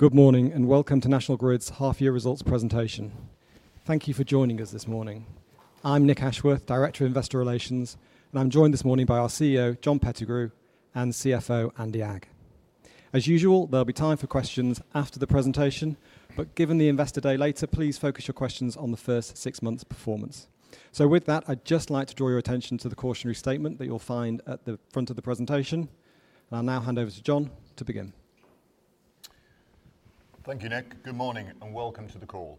Good morning, and welcome to National Grid's half-year results presentation. Thank you for joining us this morning. I'm Nick Ashworth, Director of Investor Relations, and I'm joined this morning by our CEO, John Pettigrew, and CFO, Andy Agg. As usual, there'll be time for questions after the presentation, but given the Investor Day later, please focus your questions on the first six months' performance. With that, I'd just like to draw your attention to the cautionary statement that you'll find at the front of the presentation. I'll now hand over to John to begin. Thank you, Nick. Good morning and welcome to the call.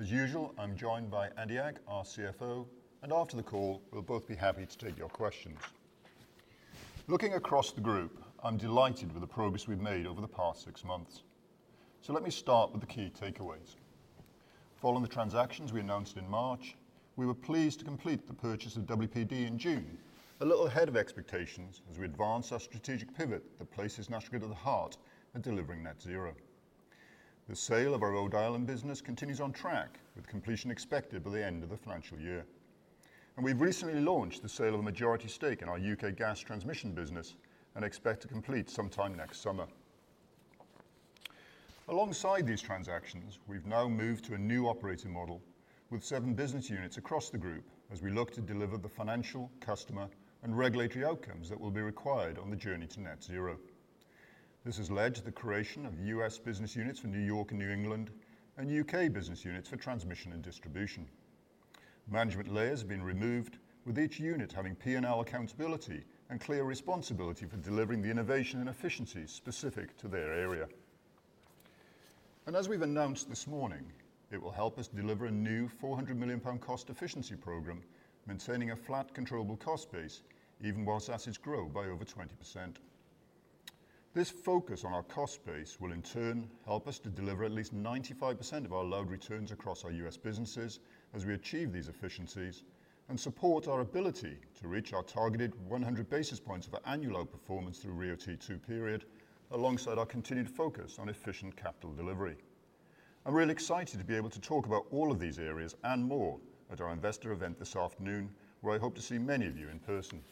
As usual, I'm joined by Andy Agg, our CFO, and after the call, we'll both be happy to take your questions. Looking across the group, I'm delighted with the progress we've made over the past six months, so let me start with the key takeaways. Following the transactions we announced in March, we were pleased to complete the purchase of WPD in June, a little ahead of expectations as we advance our strategic pivot that places National Grid at the heart of delivering net zero. The sale of our Rhode Island business continues on track, with completion expected by the end of the financial year. We've recently launched the sale of a majority stake in our U.K. gas transmission business and expect to complete sometime next summer. Alongside these transactions, we've now moved to a new operating model with seven business units across the group as we look to deliver the financial, customer, and regulatory outcomes that will be required on the journey to net zero. This has led to the creation of U.S. business units for New York and New England and U.K. business units for transmission and distribution. Management layers have been removed, with each unit having P&L accountability and clear responsibility for delivering the innovation and efficiency specific to their area. As we've announced this morning, it will help us deliver a new 400 million pound cost efficiency program, maintaining a flat, controllable cost base even whilst assets grow by over 20%. This focus on our cost base will in turn help us to deliver at least 95% of our allowed returns across our U.S. businesses as we achieve these efficiencies and support our ability to reach our targeted 100 basis points of annual allowed performance through RIIO-T2 period, alongside our continued focus on efficient capital delivery. I'm really excited to be able to talk about all of these areas and more at our investor event this afternoon, where I hope to see many of you in person.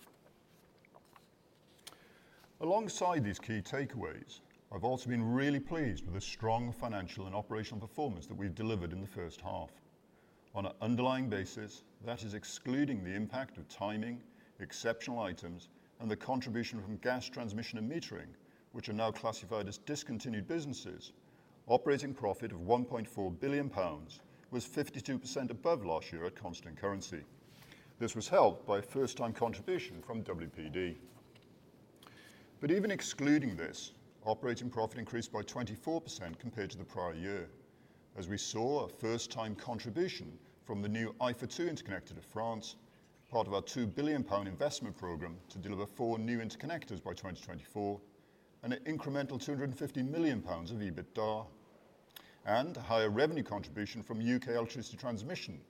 Alongside these key takeaways, I've also been really pleased with the strong financial and operational performance that we've delivered in the first half. On an underlying basis, that is excluding the impact of timing, exceptional items, and the contribution from gas transmission and metering, which are now classified as discontinued businesses. Operating profit of 1.4 billion pounds was 52% above last year at constant currency. This was helped by a first-time contribution from WPD. Even excluding this, operating profit increased by 24% compared to the prior year as we saw a first-time contribution from the new IFA2 interconnector to France, part of our 2 billion pound investment program to deliver four new interconnectors by 2024 and an incremental 250 million pounds of EBITDA, and higher revenue contribution from U.K. Electricity Transmission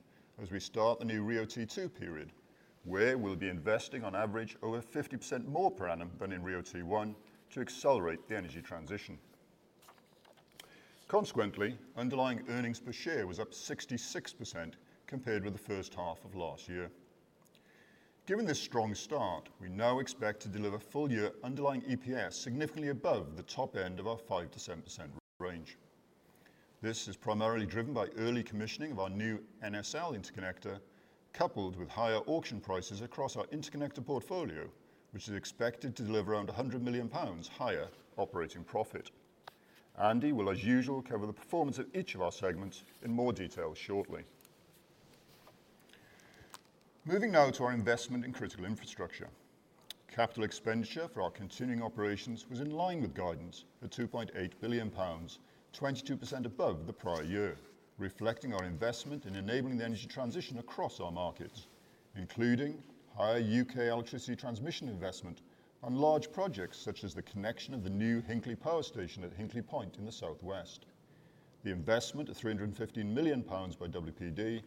as we start the new RIIO-T2 period, where we'll be investing on average over 50% more per annum than in RIIO-T1 to accelerate the energy transition. Consequently, underlying earnings per share was up 66% compared with the first half of last year. Given this strong start, we now expect to deliver full-year underlying EPS significantly above the top end of our 5%-7% range. This is primarily driven by early commissioning of our new NSL interconnector, coupled with higher auction prices across our interconnector portfolio, which is expected to deliver around 100 million pounds higher operating profit. Andy will, as usual, cover the performance of each of our segments in more detail shortly. Moving now to our investment in critical infrastructure. Capital expenditure for our continuing operations was in line with guidance at 2.8 billion pounds, 22% above the prior year, reflecting our investment in enabling the energy transition across our markets, including higher U.K. Electricity Transmission investment on large projects such as the connection of the new Hinkley power station at Hinkley Point in the Southwest. The investment of 315 million pounds by WPD,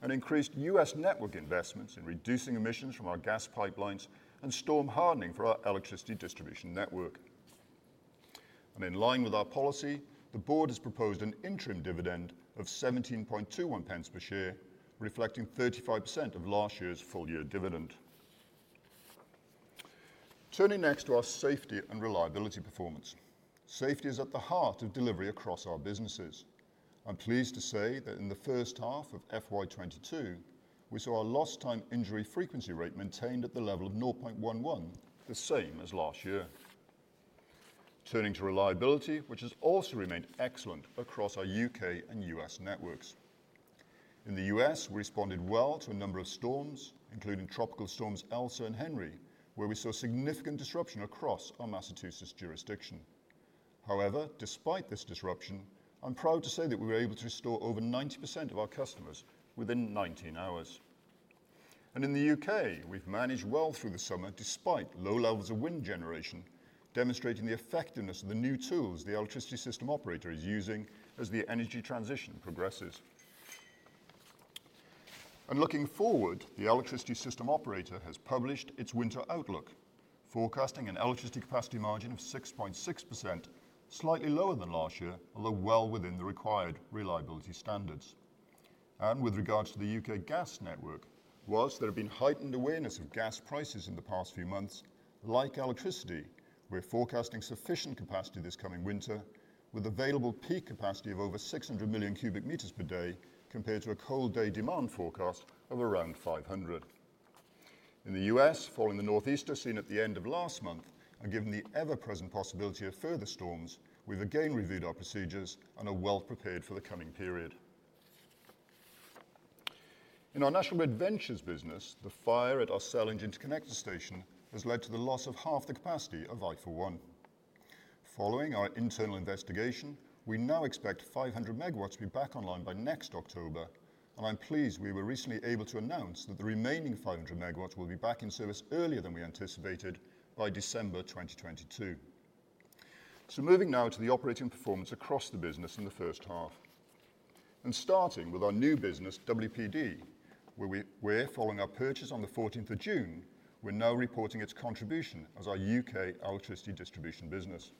and increased U.S. network investments in reducing emissions from our gas pipelines and storm hardening for our Electricity Distribution network. In line with our policy, the Board has proposed an interim dividend of 0.1721 per share, reflecting 35% of last year's full-year dividend. Turning next to our safety and reliability performance. Safety is at the heart of delivery across our businesses. I'm pleased to say that in the first half of FY 2022, we saw our lost time injury frequency rate maintained at the level of 0.11, the same as last year. Turning to reliability, which has also remained excellent across our U.K. and U.S. networks. In the U.S., we responded well to a number of storms, including tropical storms Elsa and Henri, where we saw significant disruption across our Massachusetts jurisdiction. However, despite this disruption, I'm proud to say that we were able to restore over 90% of our customers within 19 hours. In the U.K., we've managed well through the summer despite low levels of wind generation, demonstrating the effectiveness of the new tools the electricity system operator is using as the energy transition progresses. Looking forward, the electricity system operator has published its winter outlook, forecasting an electricity capacity margin of 6.6%, slightly lower than last year, although well within the required reliability standards. With regards to the U.K. gas network, while there have been heightened awareness of gas prices in the past few months, like electricity, we're forecasting sufficient capacity this coming winter with available peak capacity of over 600,000,000 cu m per day compared to a cold day demand forecast of around 500,000,000 cu m. In the U.S., following the Northeast at the end of last month and given the ever-present possibility of further storms, we've again reviewed our procedures and are well prepared for the coming period. In our National Grid Ventures business, the fire at our Sellindge interconnector station has led to the loss of half the capacity of IFA1. Following our internal investigation, we now expect 500 MW to be back online by next October, and I'm pleased we were recently able to announce that the remaining 500 MW will be back in service earlier than we anticipated by December 2022. Moving now to the operating performance across the business in the first half, and starting with our new business, WPD, where following our purchase on the 14th of June, we're now reporting its contribution as our U.K. Electricity Distribution business.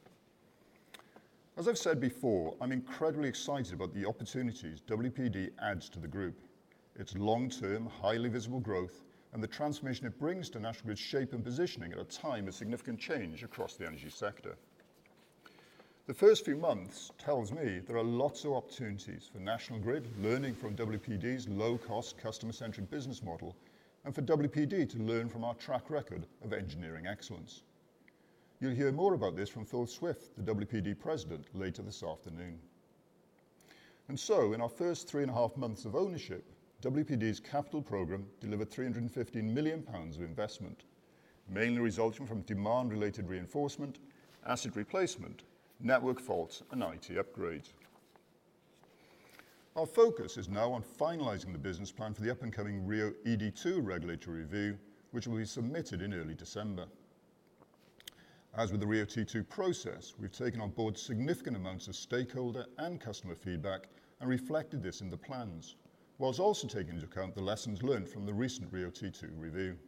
As I've said before, I'm incredibly excited about the opportunities WPD adds to the group. Its long-term, highly visible growth and the transformation it brings to National Grid's shape and positioning at a time of significant change across the energy sector. The first few months tells me there are lots of opportunities for National Grid learning from WPD's low-cost customer-centric business model and for WPD to learn from our track record of engineering excellence. You'll hear more about this from Phil Swift, the WPD President, later this afternoon. In our first three and a half months of ownership, WPD's capital program delivered 315 million pounds of investment, mainly resulting from demand-related reinforcement, asset replacement, network faults and IT upgrades. Our focus is now on finalizing the business plan for the upcoming RIIO-ED2 regulatory review, which will be submitted in early December. As with the RIIO-T2 process, we've taken on board significant amounts of stakeholder and customer feedback and reflected this in the plans, while also taking into account the lessons learned from the recent RIIO-T2 review.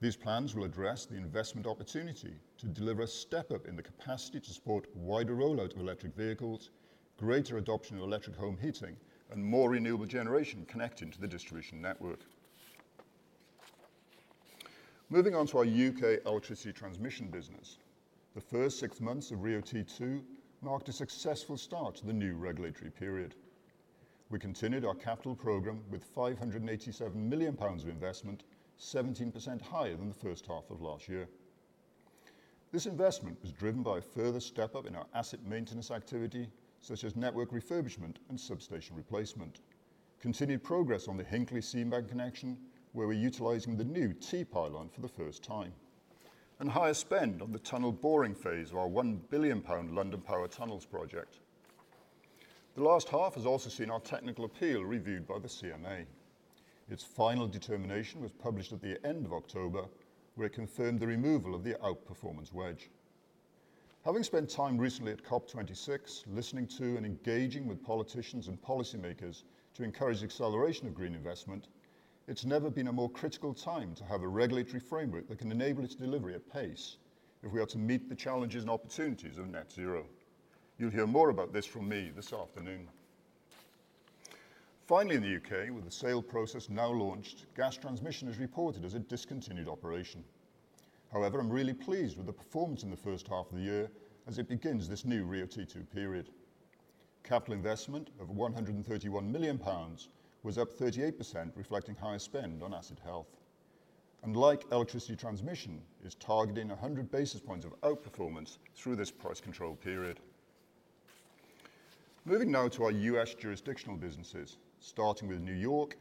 These plans will address the investment opportunity to deliver a step up in the capacity to support wider rollout of electric vehicles, greater adoption of electric home heating, and more renewable generation connecting to the distribution network. Moving on to our U.K. Electricity Transmission business. The first six months of RIIO-T2 marked a successful start to the new regulatory period. We continued our capital program with 587 million pounds of investment, 17% higher than the first half of last year. This investment was driven by a further step up in our asset maintenance activity, such as network refurbishment and substation replacement. Continued progress on the Hinkley-Seabank connection, where we're utilizing the new T-pylon for the first time, and higher spend on the tunnel boring phase of our 1 billion-pound London Power Tunnels project. The last half has also seen our technical appeal reviewed by the CMA. Its final determination was published at the end of October, where it confirmed the removal of the outperformance wedge. Having spent time recently at COP26 listening to and engaging with politicians and policymakers to encourage acceleration of green investment, it's never been a more critical time to have a regulatory framework that can enable its delivery at pace if we are to meet the challenges and opportunities of net zero. You'll hear more about this from me this afternoon. Finally in the U.K., with the sale process now launched, gas transmission is reported as a discontinued operation. However, I'm really pleased with the performance in the first half of the year as it begins this new RIIO-T2 period. Capital investment of 131 million pounds was up 38%, reflecting higher spend on asset health. Like Electricity Transmission, is targeting 100 basis points of outperformance through this price control period. Moving now to our U.S. jurisdictional businesses, starting with New York.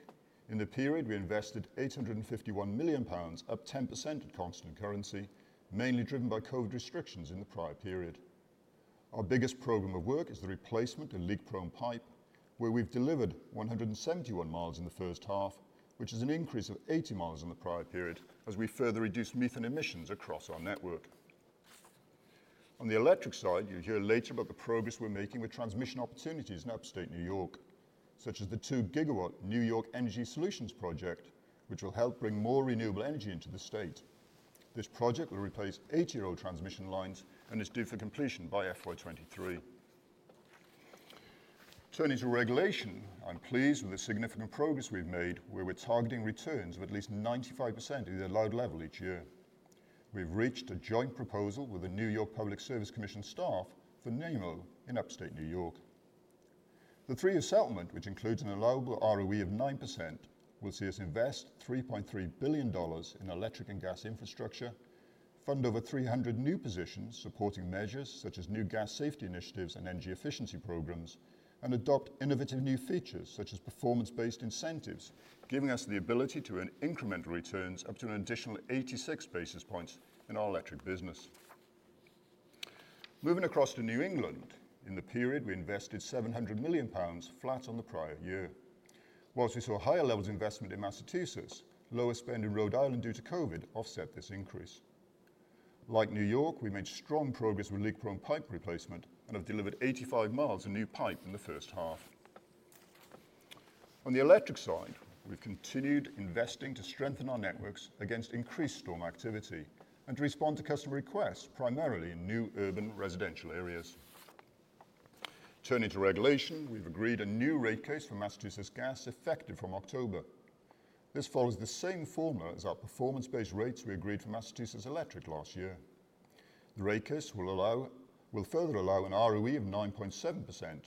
In the period, we invested 851 million pounds, up 10% at constant currency, mainly driven by COVID restrictions in the prior period. Our biggest program of work is the replacement of leak-prone pipe, where we've delivered 171 mi in the first half, which is an increase of 80 mi in the prior period as we further reduce methane emissions across our network. On the electric side, you'll hear later about the progress we're making with transmission opportunities in Upstate New York, such as the 2 GW New York Energy Solution project, which will help bring more renewable energy into the state. This project will replace eight-year-old transmission lines and is due for completion by FY 2023. Turning to regulation, I'm pleased with the significant progress we've made, where we're targeting returns of at least 95% of the allowed level each year. We've reached a joint proposal with the New York Public Service Commission staff for NEMO in Upstate New York. The three-year settlement, which includes an allowable ROE of 9%, will see us invest $3.3 billion in electric and gas infrastructure, fund over 300 new positions supporting measures such as new gas safety initiatives and energy efficiency programs, and adopt innovative new features such as performance-based incentives, giving us the ability to earn incremental returns up to an additional 86 basis points in our electric business. Moving across to New England. In the period, we invested 700 million pounds flat on the prior year. While we saw higher levels of investment in Massachusetts, lower spend in Rhode Island due to COVID offset this increase. Like New York, we made strong progress with lead chrome pipe replacement and have delivered 85 mi of new pipe in the first half. On the electric side, we've continued investing to strengthen our networks against increased storm activity and to respond to customer requests, primarily in new urban residential areas. Turning to regulation, we've agreed a new rate case for Massachusetts Gas effective from October. This follows the same formula as our performance-based rates we agreed for Massachusetts Electric last year. The rate case will further allow an ROE of 9.7%,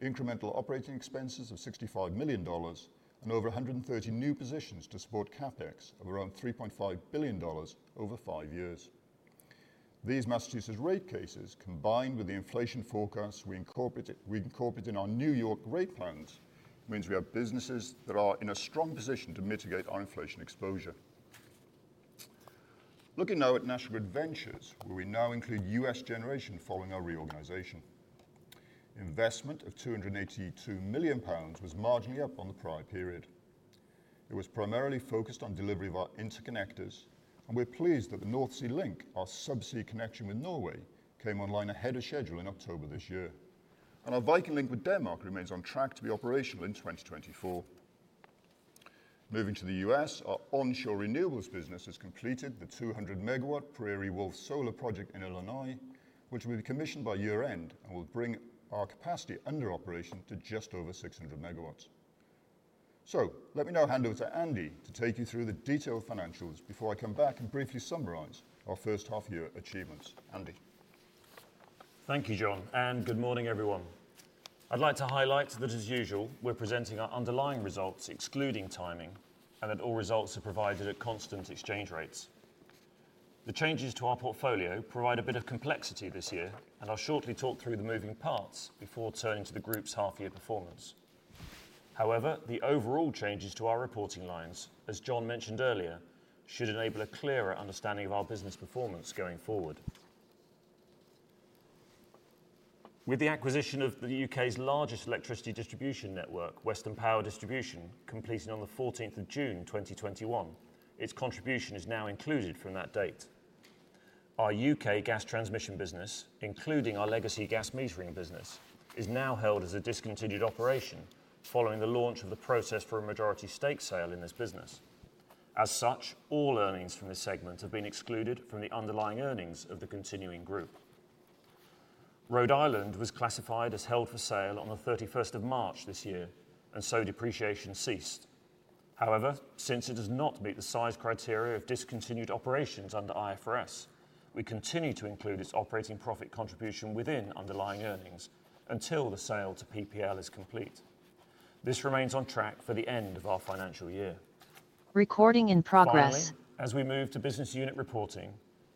incremental operating expenses of $65 million, and over 130 new positions to support CapEx of around $3.5 billion over five years. These Massachusetts rate cases, combined with the inflation forecasts we incorporate in our New York rate plans, means we have businesses that are in a strong position to mitigate our inflation exposure. Looking now at National Grid Ventures, where we now include U.S. generation following our reorganization. Investment of 282 million pounds was marginally up on the prior period. It was primarily focused on delivery of our interconnectors, and we're pleased that the North Sea Link, our subsea connection with Norway, came online ahead of schedule in October this year. Our Viking Link with Denmark remains on track to be operational in 2024. Moving to the U.S., our onshore renewables business has completed the 200 MW Prairie Wolf Solar Project in Illinois, which will be commissioned by year-end and will bring our capacity under operation to just over 600 MW. Let me now hand over to Andy to take you through the detailed financials before I come back and briefly summarize our first half year achievements. Andy. Thank you, John, and good morning, everyone. I'd like to highlight that, as usual, we're presenting our underlying results excluding timing and that all results are provided at constant exchange rates. The changes to our portfolio provide a bit of complexity this year, and I'll shortly talk through the moving parts before turning to the group's half-year performance. However, the overall changes to our reporting lines, as John mentioned earlier, should enable a clearer understanding of our business performance going forward. With the acquisition of the U.K.'s largest electricity distribution network, Western Power Distribution, completing on the 14th of June, 2021, its contribution is now included from that date. Our U.K. gas transmission business, including our legacy gas metering business, is now held as a discontinued operation following the launch of the process for a majority stake sale in this business. As such, all earnings from this segment have been excluded from the underlying earnings of the continuing group. Rhode Island was classified as held for sale on the 31st of March this year, and so depreciation ceased. However, since it does not meet the size criteria of discontinued operations under IFRS, we continue to include its operating profit contribution within underlying earnings until the sale to PPL is complete. This remains on track for the end of our financial year. Finally, as we move to business unit reporting,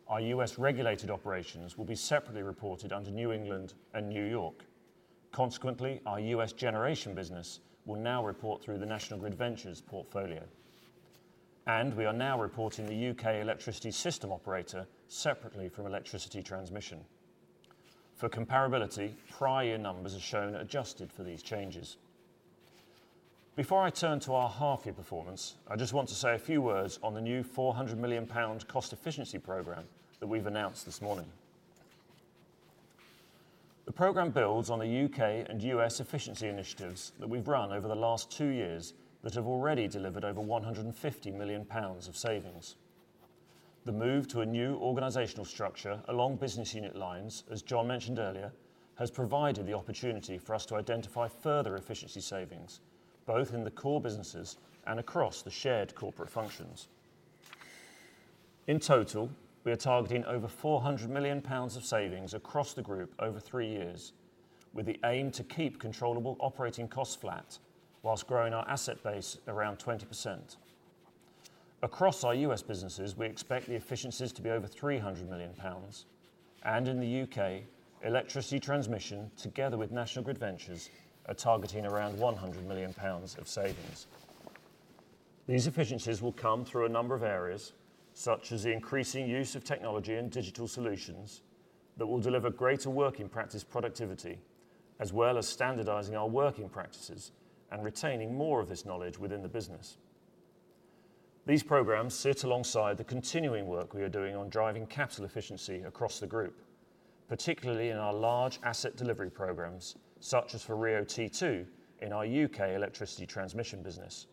our U.S. Regulated operations will be separately reported under New England and New York. Consequently, our U.S. generation business will now report through the National Grid Ventures portfolio. We are now reporting the U.K. electricity system operator separately from Electricity Transmission. For comparability, prior numbers are shown adjusted for these changes. Before I turn to our half year performance, I just want to say a few words on the new 400 million pounds cost efficiency program that we've announced this morning. The program builds on the U.K. and U.S. efficiency initiatives that we've run over the last two years that have already delivered over 150 million pounds of savings. The move to a new organizational structure along business unit lines, as John mentioned earlier, has provided the opportunity for us to identify further efficiency savings, both in the core businesses and across the shared corporate functions. In total, we are targeting over 400 million pounds of savings across the group over three years, with the aim to keep controllable operating costs flat whilst growing our asset base around 20%. Across our U.S. businesses, we expect the efficiencies to be over 300 million pounds, and in the U.K., Electricity Transmission together with National Grid Ventures are targeting around 100 million pounds of savings. These efficiencies will come through a number of areas, such as the increasing use of technology and digital solutions that will deliver greater working practice productivity, as well as standardizing our working practices and retaining more of this knowledge within the business. These programs sit alongside the continuing work we are doing on driving capital efficiency across the group, particularly in our large asset delivery programs, such as for RIIO-T2 in our U.K. Electricity Transmission business.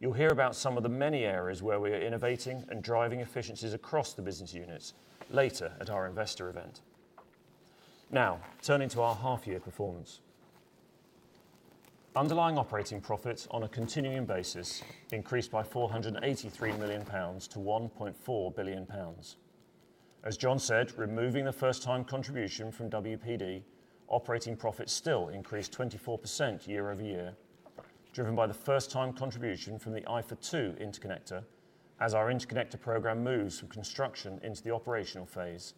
You'll hear about some of the many areas where we are innovating and driving efficiencies across the business units later at our investor event. Now, turning to our half year performance. Underlying operating profits on a continuing basis increased by 483 million pounds to 1.4 billion pounds. As John said, removing the first time contribution from WPD, operating profits still increased 24% year-over-year, driven by the first time contribution from the IFA2 interconnector as our interconnector program moves from construction into the operational phase,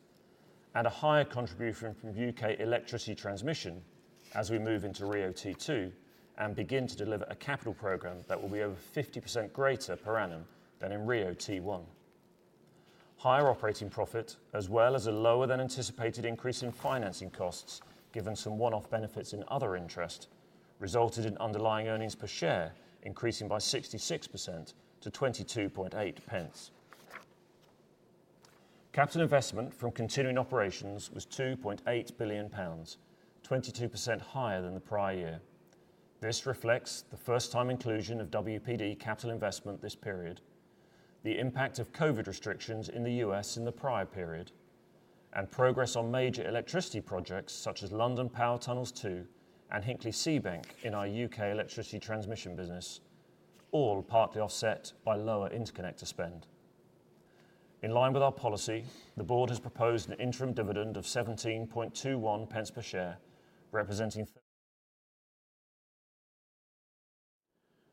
and a higher contribution from U.K. Electricity Transmission as we move into RIIO-T2 and begin to deliver a capital program that will be over 50% greater per annum than in RIIO-T1. Higher operating profit, as well as a lower than anticipated increase in financing costs, given some one-off benefits in other interest, resulted in underlying earnings per share increasing by 66% to 0.228. Capital investment from continuing operations was 2.8 billion pounds, 22% higher than the prior year. This reflects the first-time inclusion of WPD capital investment this period. The impact of COVID restrictions in the U.S. in the prior period, and progress on major electricity projects such as London Power Tunnels 2 and Hinkley-Seabank in our U.K. Electricity Transmission business, all partly offset by lower interconnector spend. In line with our policy, the board has proposed an interim dividend of 0.1721 per share, representing.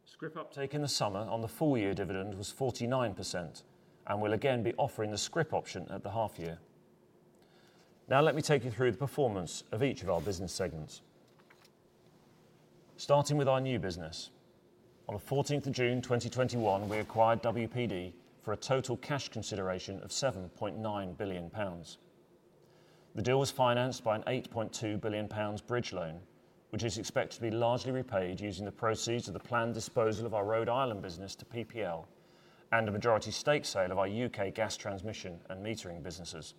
Scrip uptake in the summer on the full-year dividend was 49% and will again be offering the scrip option at the half year. Now let me take you through the performance of each of our business segments. Starting with our new business. On the 14th of June, 2021, we acquired WPD for a total cash consideration of 7.9 billion pounds. The deal was financed by a 8.2 billion pounds bridge loan, which is expected to be largely repaid using the proceeds of the planned disposal of our Rhode Island business to PPL and the majority stake sale of our U.K. gas transmission and metering businesses.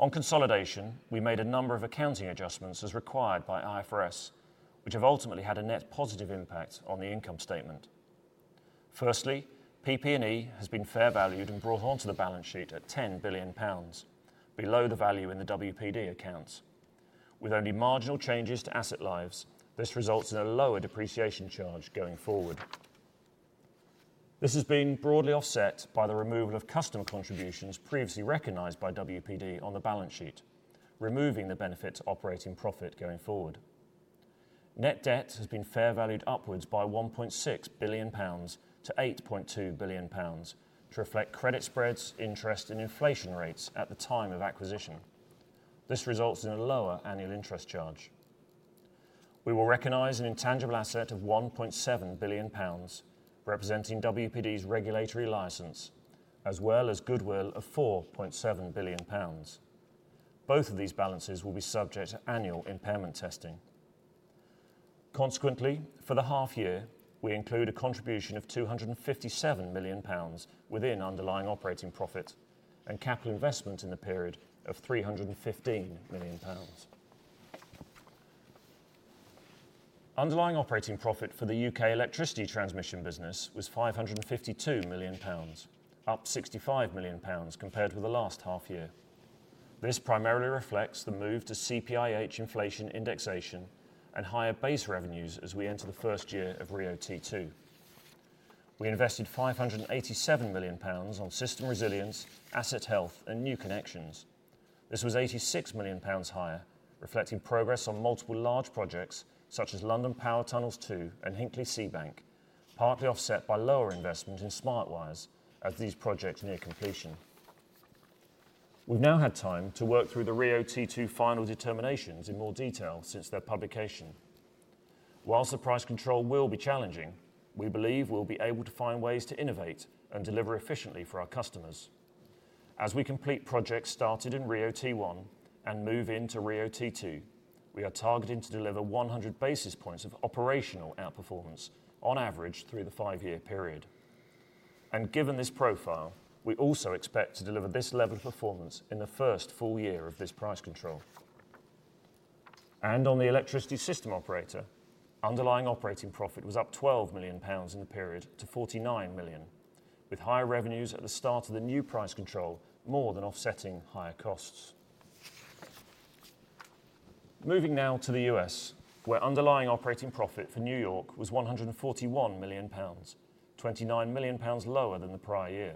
On consolidation, we made a number of accounting adjustments as required by IFRS, which have ultimately had a net positive impact on the income statement. Firstly, PP&E has been fair valued and brought onto the balance sheet at 10 billion pounds below the value in the WPD accounts. With only marginal changes to asset lives, this results in a lower depreciation charge going forward. This has been broadly offset by the removal of customer contributions previously recognized by WPD on the balance sheet, removing the benefit to operating profit going forward. Net debt has been fair valued upwards by 1.6 billion pounds to 8.2 billion pounds to reflect credit spreads, interest, and inflation rates at the time of acquisition. This results in a lower annual interest charge. We will recognize an intangible asset of 1.7 billion pounds, representing WPD's regulatory license, as well as goodwill of 4.7 billion pounds. Both of these balances will be subject to annual impairment testing. Consequently, for the half year, we include a contribution of 257 million pounds within underlying operating profit and capital investment in the period of 315 million pounds. Underlying operating profit for the U.K. Electricity Transmission business was 552 million pounds, up 65 million pounds compared with the last half year. This primarily reflects the move to CPIH inflation indexation and higher base revenues as we enter the first year of RIIO-T2. We invested 587 million pounds on system resilience, asset health, and new connections. This was 86 million pounds higher, reflecting progress on multiple large projects such as London Power Tunnels 2 and Hinkley-Seabank, partly offset by lower investment in Smart Wires as these projects near completion. We've now had time to work through the RIIO-T2 final determinations in more detail since their publication. Whilst the price control will be challenging, we believe we'll be able to find ways to innovate and deliver efficiently for our customers. As we complete projects started in RIIO-T1 and move into RIIO-T2, we are targeting to deliver 100 basis points of operational outperformance on average through the five-year period. Given this profile, we also expect to deliver this level of performance in the first full year of this price control. On the electricity system operator, underlying operating profit was up 12 million pounds in the period to 49 million, with higher revenues at the start of the new price control more than offsetting higher costs. Moving now to the U.S., where underlying operating profit for New York was 141 million pounds, 29 million pounds lower than the prior year.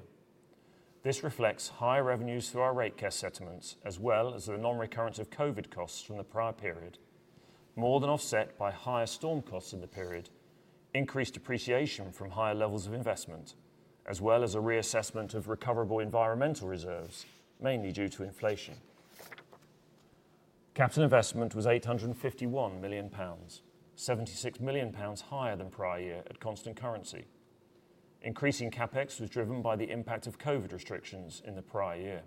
This reflects higher revenues through our rate case settlements, as well as the non-recurrence of COVID costs from the prior period, more than offset by higher storm costs in the period, increased depreciation from higher levels of investment, as well as a reassessment of recoverable environmental reserves, mainly due to inflation. Capital investment was 851 million pounds, 76 million pounds higher than prior year at constant currency. Increasing CapEx was driven by the impact of COVID restrictions in the prior year.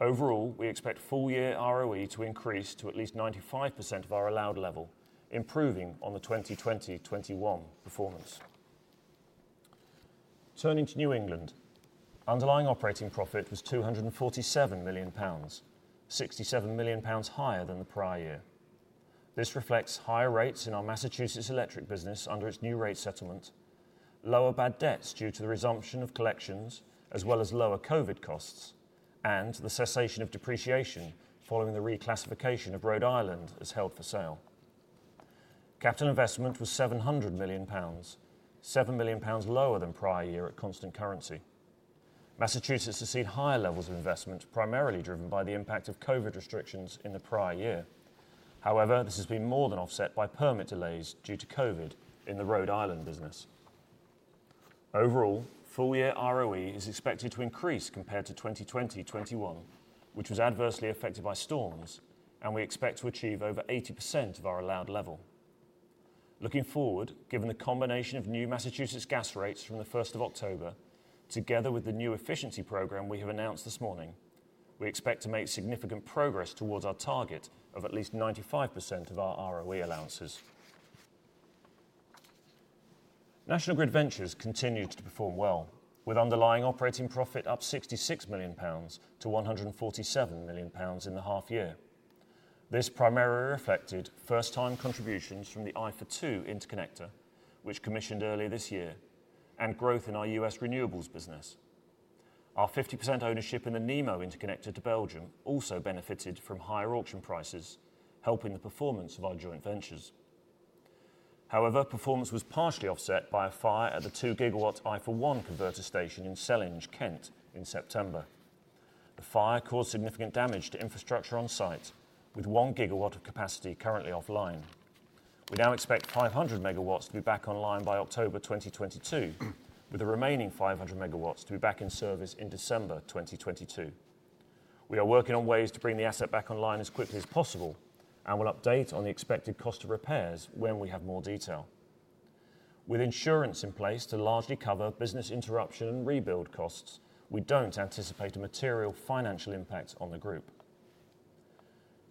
Overall, we expect full-year ROE to increase to at least 95% of our allowed level, improving on the 2020, 2021 performance. Turning to New England. Underlying operating profit was 247 million pounds, 67 million pounds higher than the prior year. This reflects higher rates in our Massachusetts Electric business under its new rate settlement, lower bad debts due to the resumption of collections, as well as lower COVID costs, and the cessation of depreciation following the reclassification of Rhode Island as held for sale. Capital investment was 700 million pounds, 7 million pounds lower than prior year at constant currency. Massachusetts has seen higher levels of investment, primarily driven by the impact of COVID restrictions in the prior year. However, this has been more than offset by permit delays due to COVID in the Rhode Island business. Overall, full-year ROE is expected to increase compared to 2020, 2021, which was adversely affected by storms, and we expect to achieve over 80% of our allowed level. Looking forward, given the combination of new Massachusetts gas rates from the1st of October, together with the new efficiency program we have announced this morning, we expect to make significant progress towards our target of at least 95% of our ROE allowances. National Grid Ventures continued to perform well with underlying operating profit up 66 million pounds to 147 million pounds in the half year. This primarily affected first-time contributions from the IFA2 Interconnector, which commissioned earlier this year, and growth in our U.S. renewables business. Our 50% ownership in the Nemo interconnector to Belgium also benefited from higher auction prices, helping the performance of our joint ventures. However, performance was partially offset by a fire at the 2 GW IFA1 converter station in Sellindge, Kent in September. The fire caused significant damage to infrastructure on-site, with 1 GW of capacity currently offline. We now expect 500 MW to be back online by October 2022, with the remaining 500 MW to be back in service in December 2022. We are working on ways to bring the asset back online as quickly as possible and will update on the expected cost of repairs when we have more detail. With insurance in place to largely cover business interruption and rebuild costs, we don't anticipate a material financial impact on the group.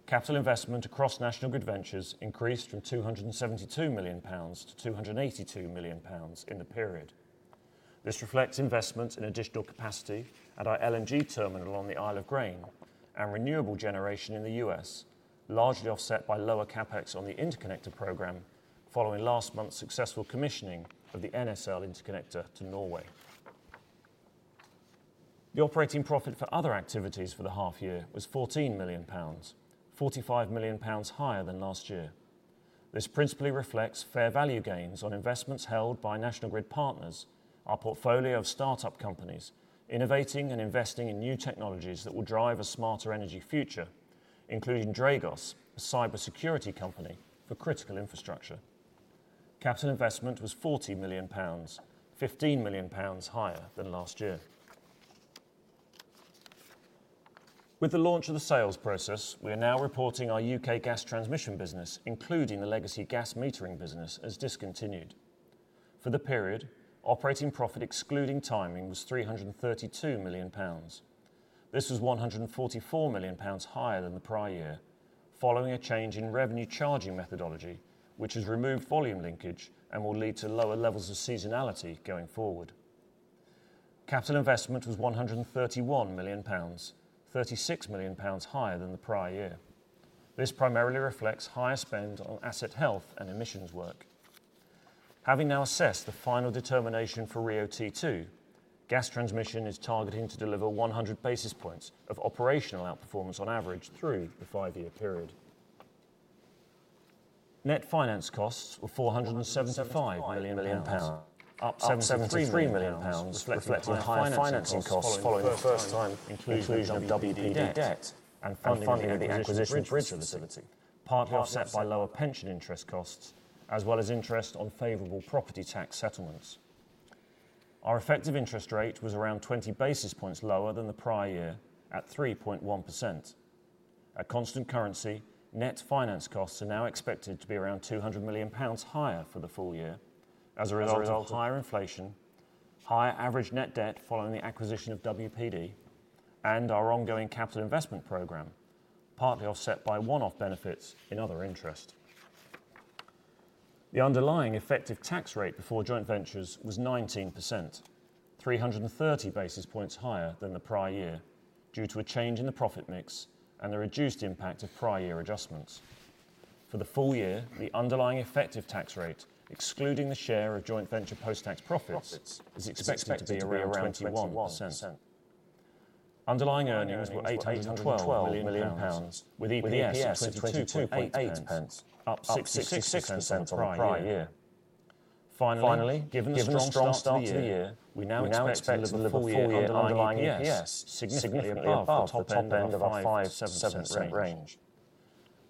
Capital investment across National Grid Ventures increased from 272 million pounds to 282 million pounds in the period. This reflects investments in additional capacity at our LNG terminal on the Isle of Grain and renewable generation in the U.S., largely offset by lower CapEx on the interconnector program following last month's successful commissioning of the NSL interconnector to Norway. The operating profit for other activities for the half year was 14 million pounds, 45 million pounds higher than last year. This principally reflects fair value gains on investments held by National Grid Partners, our portfolio of start-up companies, innovating and investing in new technologies that will drive a smarter energy future, including Dragos, a cybersecurity company for critical infrastructure. Capital investment was 40 million pounds, 15 million pounds higher than last year. With the launch of the sales process, we are now reporting our U.K. gas transmission business, including the legacy gas metering business, as discontinued. For the period, operating profit excluding timing was 332 million pounds. This was 144 million pounds higher than the prior year, following a change in revenue charging methodology, which has removed volume linkage and will lead to lower levels of seasonality going forward. Capital investment was 131 million pounds, 36 million pounds higher than the prior year. This primarily reflects higher spend on asset health and emissions work. Having now assessed the final determination for RIIO-T2, gas transmission is targeting to deliver 100 basis points of operational outperformance on average through the five-year period. Net finance costs were 475 million pounds, up 73 million pounds, reflecting higher financing costs following the first time inclusion of WPD debt and funding of the acquisition bridge facility, partly offset by lower pension interest costs as well as interest on favorable property tax settlements. Our effective interest rate was around 20 basis points lower than the prior year at 3.1%. At constant currency, net finance costs are now expected to be around 200 million pounds higher for the full year as a result of higher inflation, higher average net debt following the acquisition of WPD, and our ongoing capital investment program, partly offset by one-off benefits in other interest. The underlying effective tax rate before joint ventures was 19%, 330 basis points higher than the prior year, due to a change in the profit mix and the reduced impact of prior year adjustments. For the full year, the underlying effective tax rate, excluding the share of joint venture post-tax profits, is expected to be around 21%. Underlying earnings were 812 million pounds, with EPS of 0.228, up 66% on the prior year. Finally, given the strong start to the year, we now expect to deliver full-year underlying EPS significantly above the top end of our 5%-7% range.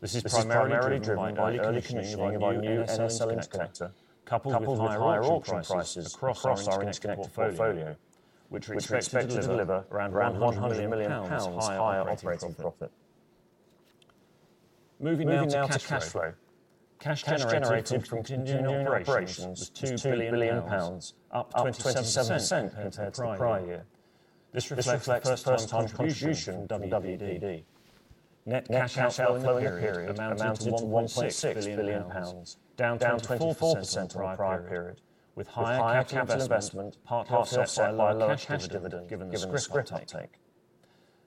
This is primarily driven by early commissioning of our new NSL interconnector, coupled with higher auction prices across our interconnector portfolio, which we expect to deliver around 100 million pounds higher operating profit. Moving now to cash flow. Cash generated from continuing operations was 2 billion pounds, up 27% compared to the prior year. This reflects the first-time contribution from WPD. Net cash outflow in the period amounted to 1.6 billion pounds, down 24% on the prior period, with higher capital investment partly offset by lower cash dividends given the scrip uptake.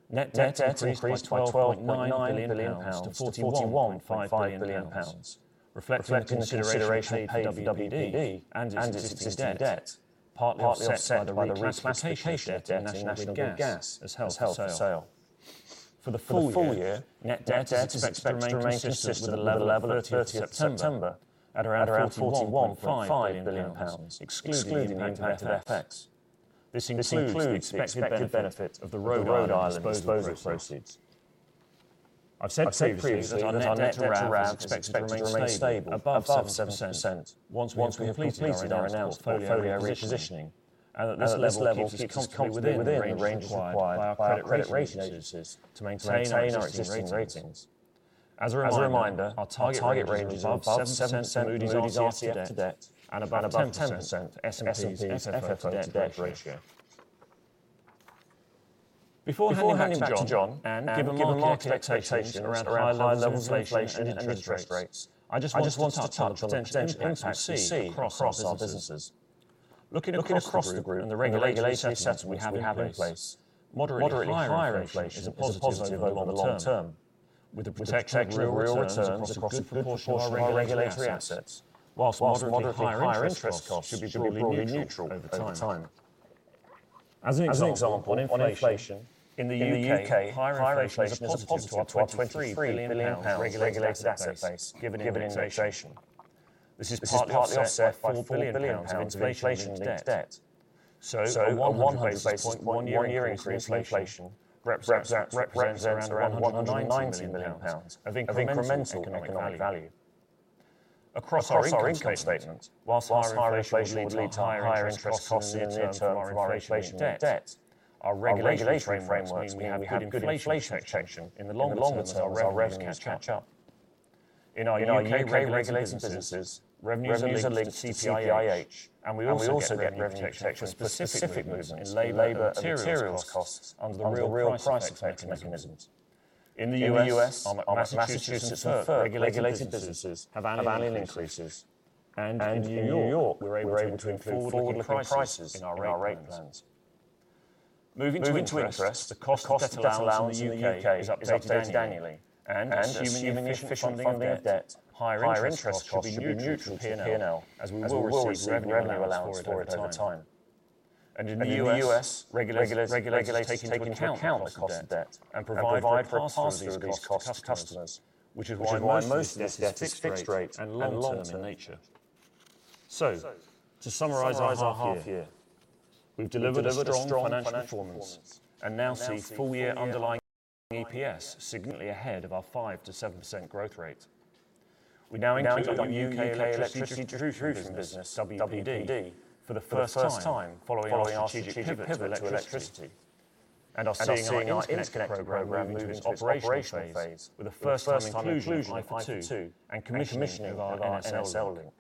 Net debt increased by 12.9 billion pounds to 41.5 billion pounds, reflecting the consideration paid for WPD and its existing debt, partly offset by the reclassification of debt in National Gas as held for sale. For the full year, net debt is expected to remain consistent with the level at 30th September at around 41.5 billion pounds, excluding the impact of FX. This includes the expected benefit of the Rhode Island disposal proceeds. I've said previously that our net debt to RAV is expected to remain stable above 7% once we have completed our announced portfolio repositioning and that this level keeps us comfortably within the range required by our credit rating agencies to maintain our existing ratings. As a reminder, our target range is above 7% [Moody's senior] to debt and above 10% S&P FFO to debt ratio. Before handing back to John, and given market expectations around high levels of inflation and interest rates, I just want to touch on the potential impacts we see across our businesses. Looking across the group and the regulatory settlements we have in place, moderately higher inflation is a positive over the long term, with the protected real returns across a good proportion of our regulatory assets, while moderately higher interest costs should be broadly neutral over time. As an example on inflation, in the U.K., higher inflation is a positive to our 23 billion pounds regulated asset base given inflation. This is partly offset by 4 billion pounds of inflation-linked debt. A 100 basis point one-year increase in inflation represents around 190 million pounds of incremental economic value. Across our income statement, while higher inflation will lead to higher interest costs in the near term from our inflation-linked debt, our regulatory frameworks mean we have good inflation protection in the longer term as our revenues catch up. In our U.K. regulated businesses, revenues are linked to CPIH, and we also get revenue protection for specific movements in labor and materials costs under the real price effects mechanisms. In the U.S., our Massachusetts and FERC regulated businesses have annual increases. In New York, we're able to include forward-looking prices in our rate plans. Moving to interest, the cost of debt allowance in the U.K. is updated annually, and assuming efficient funding of debt, higher interest costs should be neutral to P&L as we will receive revenue allowance for it over time. In the U.S., regulators take into account the cost of debt and provide for it and pass through these costs to customers, which is why most of this debt is fixed rate and long-term in nature. To summarize our half-year, we've delivered a strong financial performance and now see full-year underlying EPS significantly ahead of our 5%-7% growth rate. We now include our U.K. Electricity Transmission business, WPD, for the first time following our strategic pivot to electricity. We are seeing our interconnector program move into its operational phase with the first-time inclusion of IFA2 and commissioning of our NSL Link.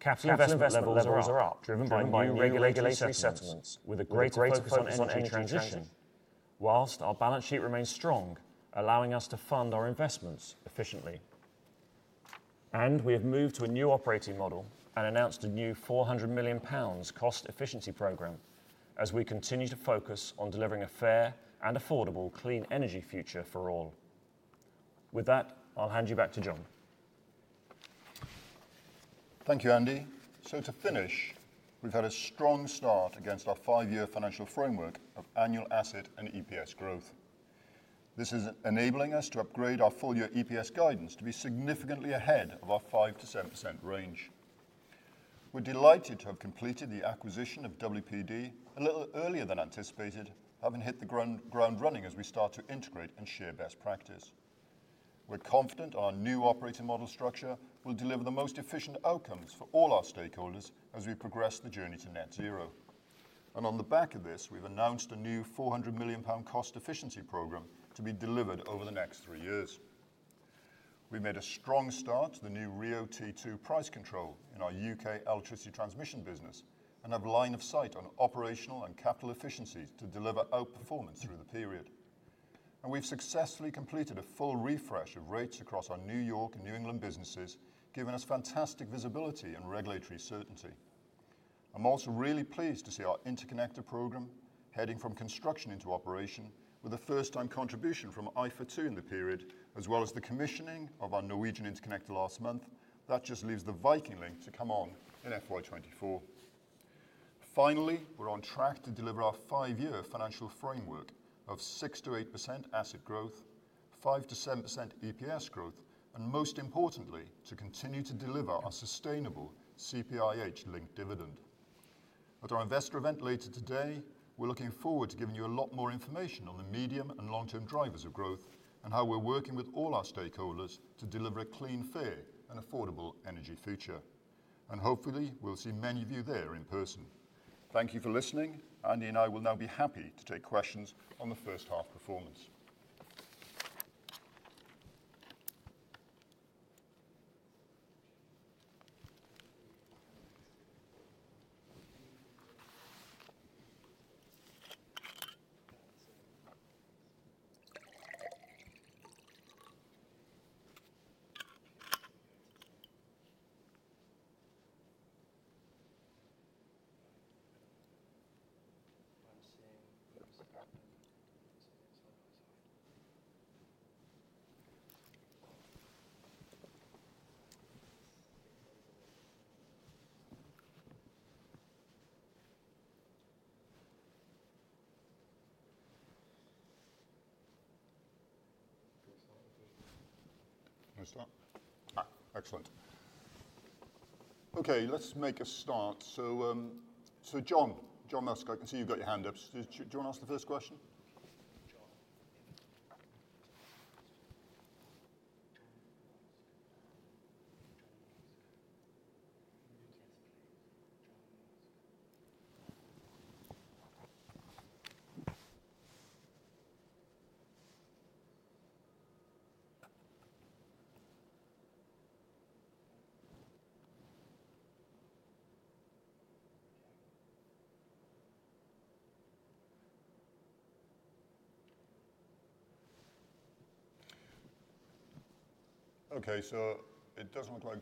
Capital investment levels are up, driven by new regulatory settlements with a greater focus on energy transition, while our balance sheet remains strong, allowing us to fund our investments efficiently. We have moved to a new operating model and announced a new 400 million pounds cost efficiency program as we continue to focus on delivering a fair and affordable clean energy future for all. With that, I'll hand you back to John. Thank you, Andy. To finish, we've had a strong start against our five-year financial framework of annual asset and EPS growth. This is enabling us to upgrade our full-year EPS guidance to be significantly ahead of our 5%-7% range. We're delighted to have completed the acquisition of WPD a little earlier than anticipated, having hit the ground running as we start to integrate and share best practice. We're confident our new operating model structure will deliver the most efficient outcomes for all our stakeholders as we progress the journey to net zero. On the back of this, we've announced a new 400 million pound cost efficiency program to be delivered over the next three years. We made a strong start to the new RIIO-T2 price control in our U.K. Electricity Transmission business and have line of sight on operational and capital efficiencies to deliver outperformance through the period. We've successfully completed a full refresh of rates across our New York and New England businesses, giving us fantastic visibility and regulatory certainty. I'm also really pleased to see our interconnector program heading from construction into operation with a first-time contribution from IFA2 in the period, as well as the commissioning of our Norwegian interconnector last month. That just leaves the Viking Link to come on in FY 2024. Finally, we're on track to deliver our five-year financial framework of 6%-8% asset growth, 5%-7% EPS growth, and most importantly, to continue to deliver our sustainable CPIH-linked dividend. At our investor event later today, we're looking forward to giving you a lot more information on the medium and long-term drivers of growth and how we're working with all our stakeholders to deliver a clean, fair, and affordable energy future. Hopefully, we'll see many of you there in person. Thank you for listening. Andy and I will now be happy to take questions on the first half performance. Excellent. Okay, let's make a start. So John Musk, I can see you've got your hand up. Do you want to ask the first question? Okay. It does look like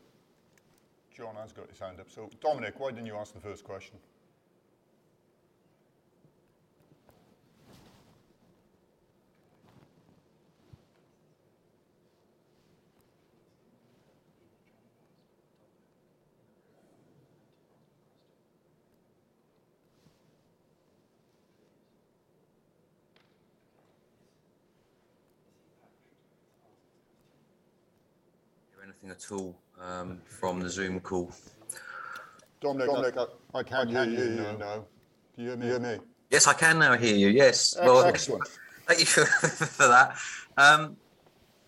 John has got his hand up. Dominic, why don't you ask the first question? Hear anything at all, from the Zoom call? Dominic, I can hear you now. Do you hear me? Yes, I can now hear you. Yes. Excellent. Thank you for that.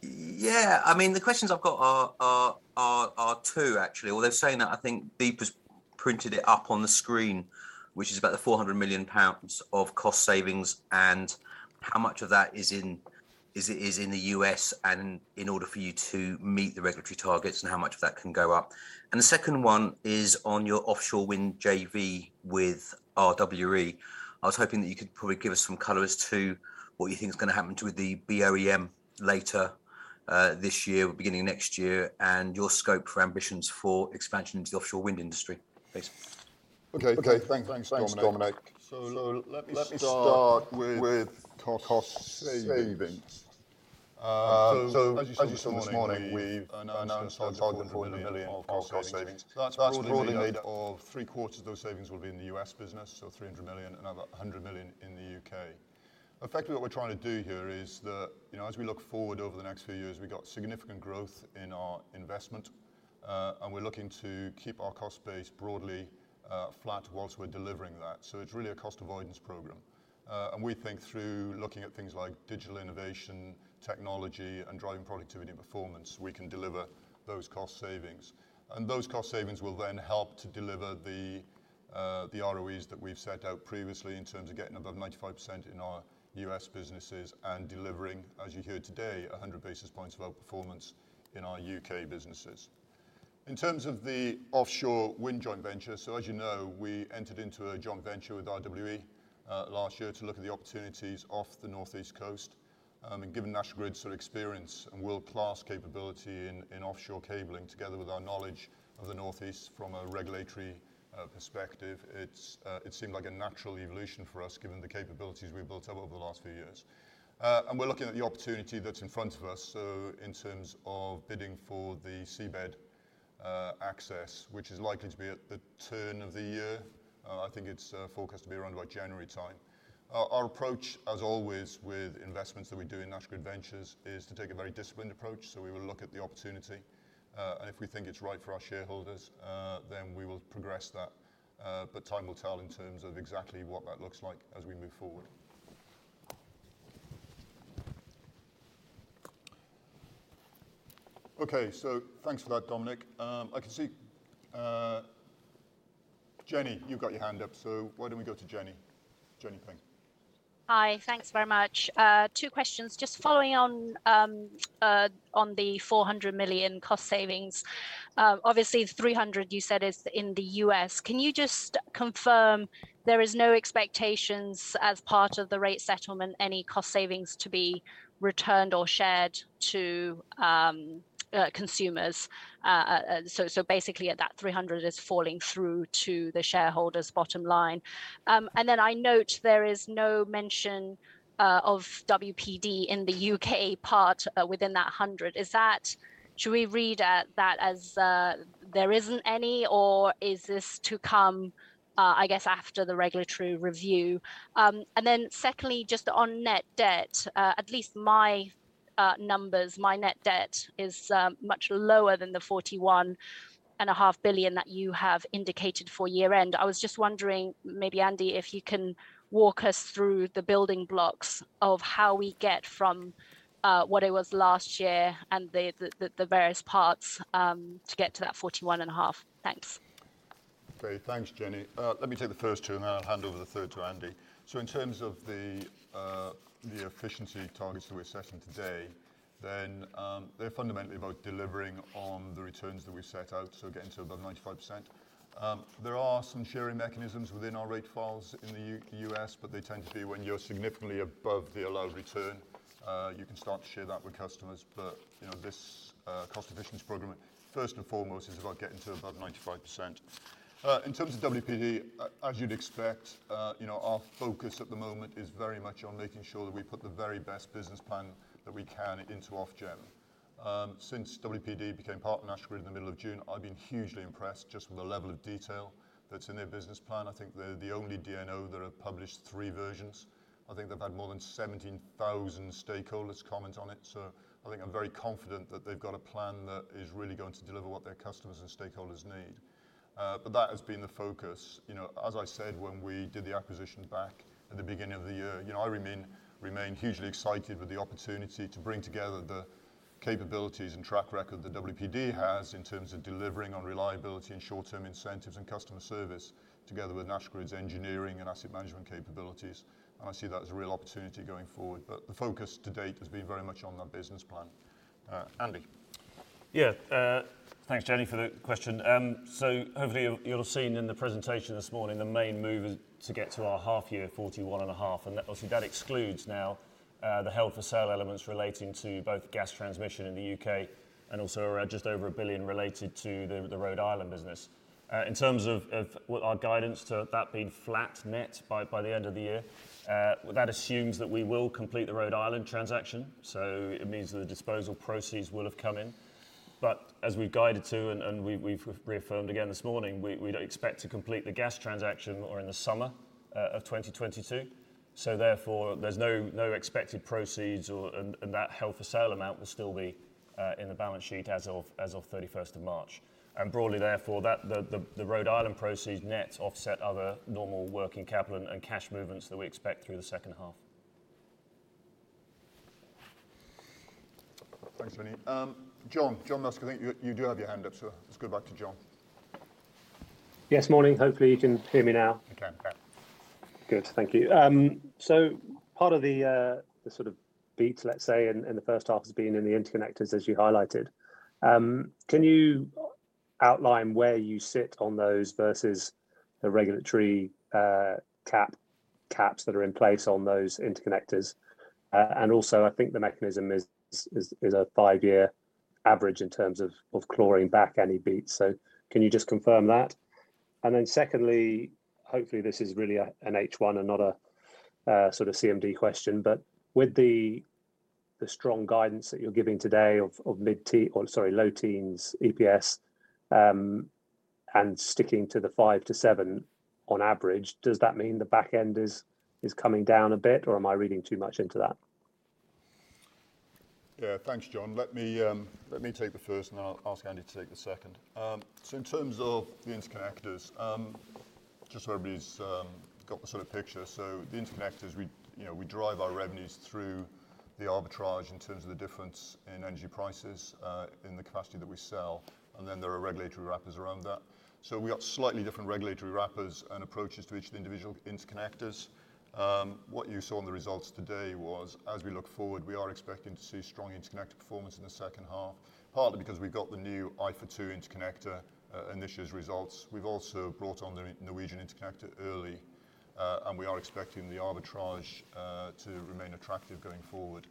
Yeah, I mean, the questions I've got are two actually, or they're saying that I think Beep has printed it up on the screen, which is about the 400 million pounds of cost savings and how much of that is in the U.S. and in order for you to meet the regulatory targets and how much of that can go up. The second one is on your offshore wind JV with RWE. I was hoping that you could probably give us some color as to what you think is gonna happen to the BOEM later this year or beginning of next year, and your scope for ambitions for expansion into the offshore wind industry. Thanks. Okay. Thanks, Dominic. Let's start with our cost savings. As you saw this morning, we've announced our target for 1 million cost savings. That's broadly made up of three-quarters of those savings will be in the U.S. business, so 300 million, another 100 million in the U.K. Effectively, what we're trying to do here is, you know, as we look forward over the next few years, we've got significant growth in our investment, and we're looking to keep our cost base broadly flat while we're delivering that. It's really a cost avoidance program. We think through looking at things like digital innovation, technology and driving productivity and performance, we can deliver those cost savings. Those cost savings will then help to deliver the ROEs that we've set out previously in terms of getting above 95% in our U.S. businesses and delivering, as you hear today, 100 basis points of outperformance in our U.K. businesses. In terms of the offshore wind joint venture, so as you know, we entered into a joint venture with RWE last year to look at the opportunities off the northeast coast. Given National Grid's experience and world-class capability in offshore cabling, together with our knowledge of the northeast from a regulatory perspective, it seemed like a natural evolution for us, given the capabilities we've built up over the last few years. We're looking at the opportunity that's in front of us, so in terms of bidding for the seabed access, which is likely to be at the turn of the year. I think it's forecast to be around about January time. Our approach, as always, with investments that we do in National Grid Ventures, is to take a very disciplined approach. We will look at the opportunity, and if we think it's right for our shareholders, then we will progress that, but time will tell in terms of exactly what that looks like as we move forward. Okay. Thanks for that, Dominic. I can see, Jenny, you've got your hand up, so why don't we go to Jenny? Jenny Ping. Hi. Thanks very much. Two questions. Just following on the 400 million cost savings, obviously, 300 million you said is in the U.S. Can you just confirm there is no expectations as part of the rate settlement, any cost savings to be returned or shared to consumers? So basically, at that 300 million is flowing through to the shareholders' bottom line. And then I note there is no mention of WPD in the U.K. part within that 100 million. Should we read that as there isn't any, or is this to come, I guess, after the regulatory review? And then secondly, just on net debt, at least my numbers, my net debt is much lower than the 41.5 billion that you have indicated for year-end. I was just wondering, maybe Andy, if you can walk us through the building blocks of how we get from what it was last year and the various parts to get to that 41.5 billion. Thanks. Okay. Thanks, Jenny. Let me take the first two, and then I'll hand over the third to Andy. In terms of the efficiency targets that we're setting today, they're fundamentally about delivering on the returns that we set out, so getting to above 95%. There are some sharing mechanisms within our rate files in the U.S., but they tend to be when you're significantly above the allowed return, you can start to share that with customers. You know, this cost efficiency program, first and foremost, is about getting to above 95%. In terms of WPD, as you'd expect, you know, our focus at the moment is very much on making sure that we put the very best business plan that we can into Ofgem. Since WPD became part of National Grid in the middle of June, I've been hugely impressed just with the level of detail that's in their business plan. I think they're the only DNO that have published three versions. I think they've had more than 17,000 stakeholders comment on it. I think I'm very confident that they've got a plan that is really going to deliver what their customers and stakeholders need. That has been the focus. You know, as I said, when we did the acquisition back at the beginning of the year, you know, I remain hugely excited with the opportunity to bring together the capabilities and track record that WPD has in terms of delivering on reliability and short-term incentives and customer service together with National Grid's engineering and asset management capabilities. I see that as a real opportunity going forward, but the focus to date has been very much on that business plan. Andy? Yeah. Thanks, Jenny, for the question. Hopefully you'll have seen in the presentation this morning the main movers to get to our half year 41.5 billion. That obviously excludes now the held for sale elements relating to both gas transmission in the U.K. and also around just over $1 billion related to the Rhode Island business. In terms of what our guidance to that being flat net by the end of the year, that assumes that we will complete the Rhode Island transaction. It means that the disposal proceeds will have come in. As we guided to and we've reaffirmed again this morning, we'd expect to complete the gas transaction in the summer of 2022. Therefore, there's no expected proceeds, and that held for sale amount will still be in the balance sheet as of 31st of March. Broadly therefore the Rhode Island proceeds net offset other normal working capital and cash movements that we expect through the second half. Thanks, Andy. John. John Musk, I think you do have your hand up, so let's go back to John. Yes, good morning. Hopefully you can hear me now. We can. Yeah. Good. Thank you. Part of the sort of beat, let's say in the first half has been in the interconnectors as you highlighted. Can you outline where you sit on those versus the regulatory caps that are in place on those interconnectors? Also, I think the mechanism is a five-year average in terms of clawing back any beats. Can you just confirm that? Then secondly, hopefully this is really an H1 and not a sort of CMD question, but with the strong guidance that you're giving today of mid-teens or sorry, low teens EPS, and sticking to the five to seven on average, does that mean the back end is coming down a bit or am I reading too much into that? Yeah. Thanks, John. Let me take the first and then I'll ask Andy to take the second. In terms of the interconnectors, just so everybody's got the sort of picture. The interconnectors, you know, we drive our revenues through the arbitrage in terms of the difference in energy prices, in the capacity that we sell. There are regulatory wrappers around that. We got slightly different regulatory wrappers and approaches to each of the individual interconnectors. What you saw in the results today was, as we look forward, we are expecting to see strong interconnector performance in the second half, partly because we got the new IFA2 interconnector and its results. We've also brought on the Norwegian interconnector early, and we are expecting the arbitrage to remain attractive going forward.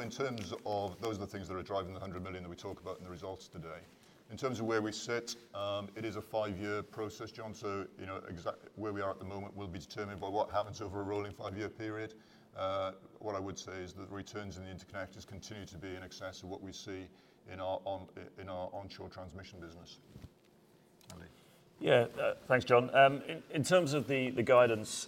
In terms of those are the things that are driving the 100 million that we talk about in the results today. In terms of where we sit, it is a five-year process, John. You know, where we are at the moment will be determined by what happens over a rolling five-year period. What I would say is that the returns in the interconnectors continue to be in excess of what we see in our onshore transmission business. Andy. Yeah. Thanks, John. In terms of the guidance,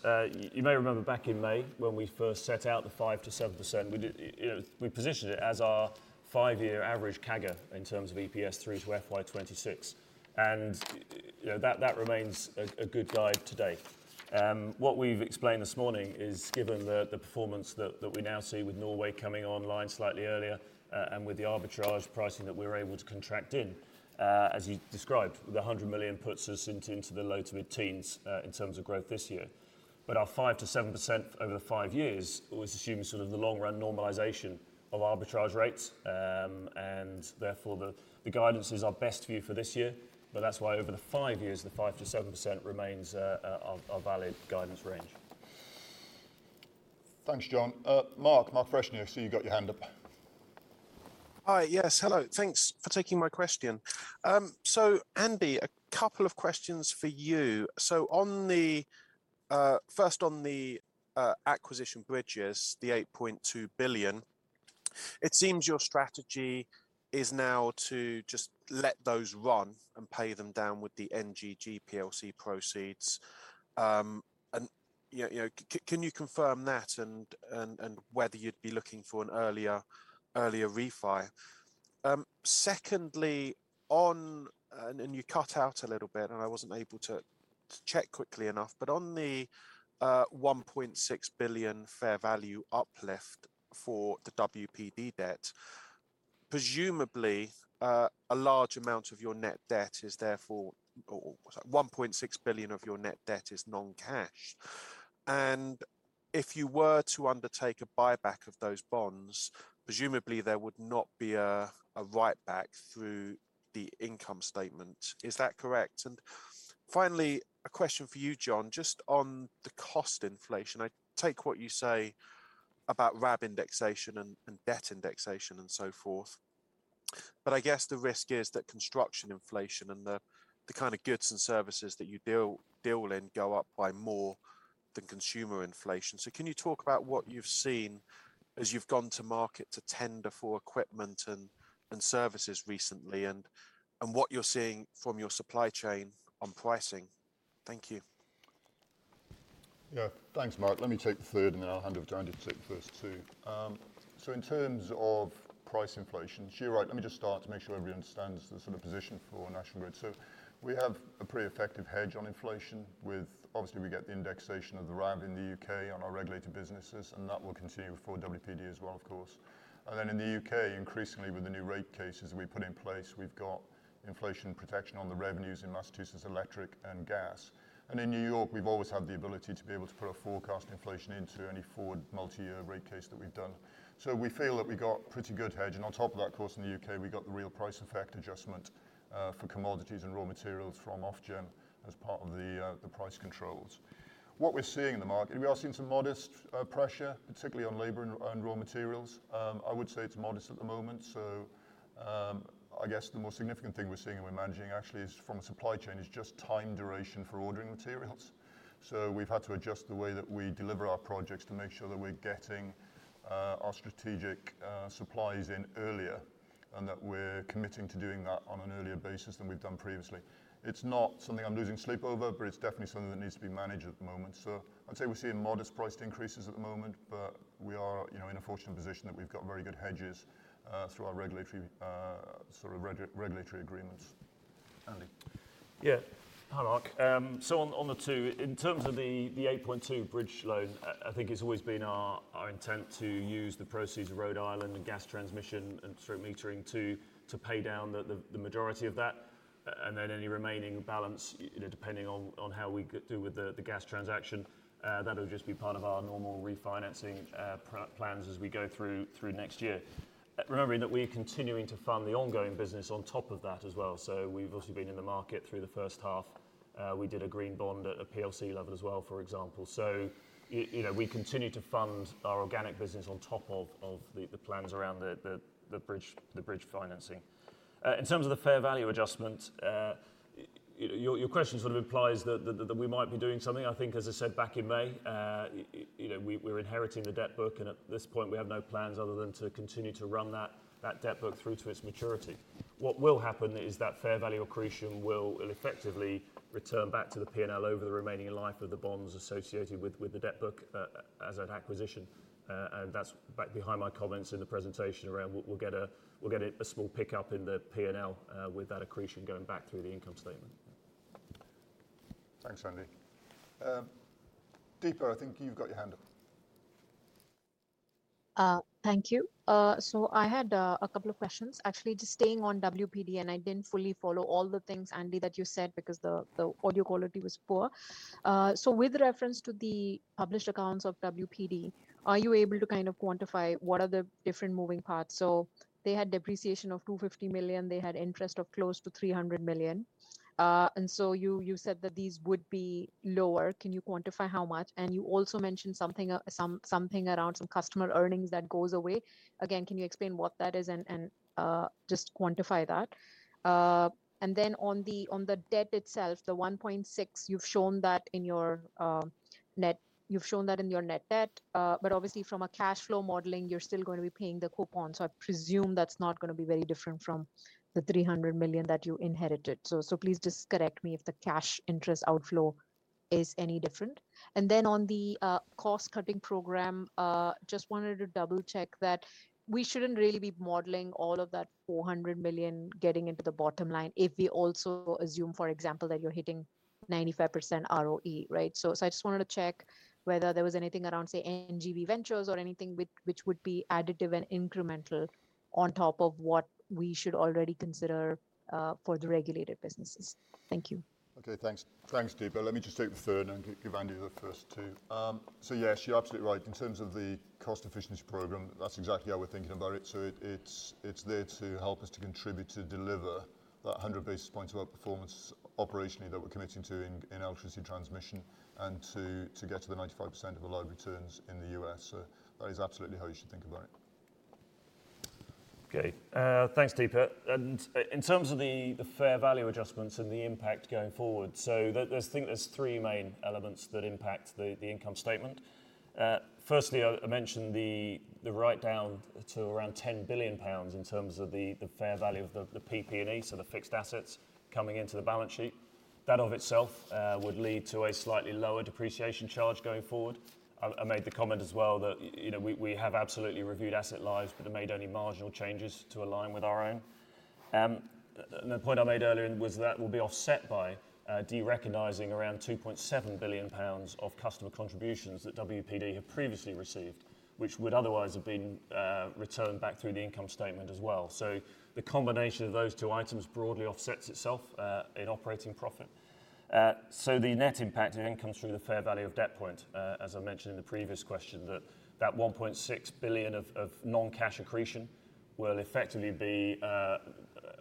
you may remember back in May when we first set out the 5%-7%, we did, you know, we positioned it as our five-year average CAGR in terms of EPS through to FY 2026. You know, that remains a good guide to date. What we've explained this morning is given the performance that we now see with Norway coming online slightly earlier, and with the arbitrage pricing that we're able to contract in, as you described, the 100 million puts us into the low to mid-teens in terms of growth this year. Our 5%-7% over five years always assumes sort of the long run normalization of arbitrage rates. Therefore the guidance is our best view for this year, but that's why over the five years, the 5%-7% remains a valid guidance range. Thanks, John. Mark Freshney, I see you've got your hand up. Hi. Yes. Hello. Thanks for taking my question. Andy, a couple of questions for you. On the first on the acquisition bridges, the 8.2 billion, it seems your strategy is now to just let those run and pay them down with the NGG plc proceeds. You know, can you confirm that and whether you'd be looking for an earlier refi? Secondly, on and then you cut out a little bit, and I wasn't able to check quickly enough, but on the 1.6 billion fair value uplift for the WPD debt, presumably a large amount of your net debt is therefore or 1.6 billion of your net debt is non-cash. If you were to undertake a buyback of those bonds, presumably there would not be a write back through the income statement. Is that correct? Finally, a question for you, John, just on the cost inflation. I take what you say about RAV indexation and debt indexation and so forth, but I guess the risk is that construction inflation and the kind of goods and services that you deal in go up by more than consumer inflation. Can you talk about what you've seen as you've gone to market to tender for equipment and services recently and what you're seeing from your supply chain on pricing? Thank you. Yeah. Thanks, Mark. Let me take the third, and then I'll hand over to Andy to take the first two. In terms of price inflation, you're right. Let me just start to make sure everyone understands the sort of position for National Grid. We have a pretty effective hedge on inflation with obviously we get the indexation of the RAV in the U.K. on our regulated businesses, and that will continue for WPD as well of course. Then in the U.K., increasingly with the new rate cases we put in place, we've got inflation protection on the revenues in Massachusetts Electric and Gas. In New York, we've always had the ability to be able to put a forecast inflation into any forward multi-year rate case that we've done. We feel that we got pretty good hedge. On top of that, of course, in the U.K., we got the real price effect adjustment for commodities and raw materials from Ofgem as part of the price controls. What we're seeing in the market is some modest pressure, particularly on labor and raw materials. I would say it's modest at the moment. I guess the most significant thing we're seeing and we're managing actually is from the supply chain: just time duration for ordering materials. We've had to adjust the way that we deliver our projects to make sure that we're getting our strategic supplies in earlier and that we're committing to doing that on an earlier basis than we've done previously. It's not something I'm losing sleep over, but it's definitely something that needs to be managed at the moment. I'd say we're seeing modest price increases at the moment, but we are, you know, in a fortunate position that we've got very good hedges through our sort of regulatory agreements. Andy? Hi, Mark. In terms of the 8.2 billion bridge loan, I think it's always been our intent to use the proceeds of Rhode Island and gas transmission and sort of metering to pay down the majority of that. Then any remaining balance, you know, depending on how we do with the gas transaction, that'll just be part of our normal refinancing plans as we go through next year. Remembering that we're continuing to fund the ongoing business on top of that as well. We've also been in the market through the first half. We did a green bond at a PLC level as well, for example. You know, we continue to fund our organic business on top of the plans around the bridge financing. In terms of the fair value adjustment, you know, your question sort of implies that we might be doing something. I think, as I said back in May, you know, we're inheriting the debt book, and at this point, we have no plans other than to continue to run that debt book through to its maturity. What will happen is that fair value accretion will effectively return back to the P&L over the remaining life of the bonds associated with the debt book as an acquisition. That's back behind my comments in the presentation around we'll get a small pickup in the P&L with that accretion going back through the income statement. Thanks, Andy. Deepa, I think you've got your hand up. Thank you. I had a couple of questions. Actually, just staying on WPD, I didn't fully follow all the things, Andy, that you said because the audio quality was poor. With reference to the published accounts of WPD, are you able to kind of quantify what are the different moving parts? They had depreciation of 250 million. They had interest of close to 300 million. You said that these would be lower. Can you quantify how much? You also mentioned something around some customer earnings that goes away. Again, can you explain what that is and just quantify that? On the debt itself, the 1.6 billion, you've shown that in your net. You've shown that in your net debt, but obviously from a cash flow modeling, you're still going to be paying the coupon. I presume that's not gonna be very different from the 300 million that you inherited. Please just correct me if the cash interest outflow is any different. On the cost-cutting program, just wanted to double-check that we shouldn't really be modeling all of that 400 million getting into the bottom line if we also assume, for example, that you're hitting 95% ROE, right? I just wanted to check whether there was anything around, say, NGV Ventures or anything which would be additive and incremental on top of what we should already consider for the regulated businesses. Thank you. Okay, thanks. Thanks, Deepa. Let me just take the third and give Andy the first two. Yes, you're absolutely right. In terms of the cost efficiency program, that's exactly how we're thinking about it. It's there to help us to contribute to deliver that 100 basis points of outperformance operationally that we're committing to in Electricity Transmission and to get to the 95% of the allowed returns in the U.S. That is absolutely how you should think about it. Okay. Thanks, Deepa. In terms of the fair value adjustments and the impact going forward, there's three main elements that impact the income statement. Firstly, I mentioned the write down to around 10 billion pounds in terms of the fair value of the PP&E, so the fixed assets coming into the balance sheet. That of itself would lead to a slightly lower depreciation charge going forward. I made the comment as well that, you know, we have absolutely reviewed asset lives but have made only marginal changes to align with our own. And the point I made earlier was that will be offset by derecognizing around 2.7 billion pounds of customer contributions that WPD had previously received, which would otherwise have been returned back through the income statement as well. The combination of those two items broadly offsets itself in operating profit. The net impact in income is through the fair value of debt point, as I mentioned in the previous question, that 1.6 billion of non-cash accretion will effectively be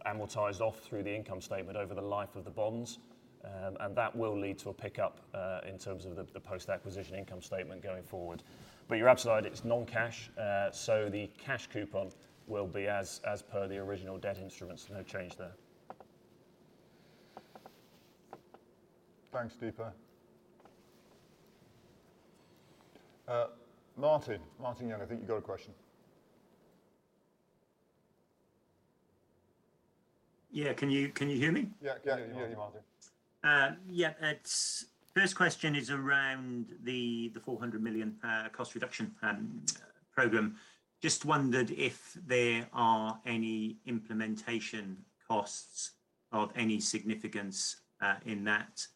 amortized off through the income statement over the life of the bonds. That will lead to a pickup in terms of the post-acquisition income statement going forward. But you're absolutely right, it's non-cash. The cash coupon will be as per the original debt instruments. No change there. Thanks, Deepa. Martin. Martin Young, I think you've got a question. Yeah. Can you hear me? Yeah. Yeah, we can hear you, Martin. First question is around the 400 million cost reduction program. Just wondered if there are any implementation costs of any significance in that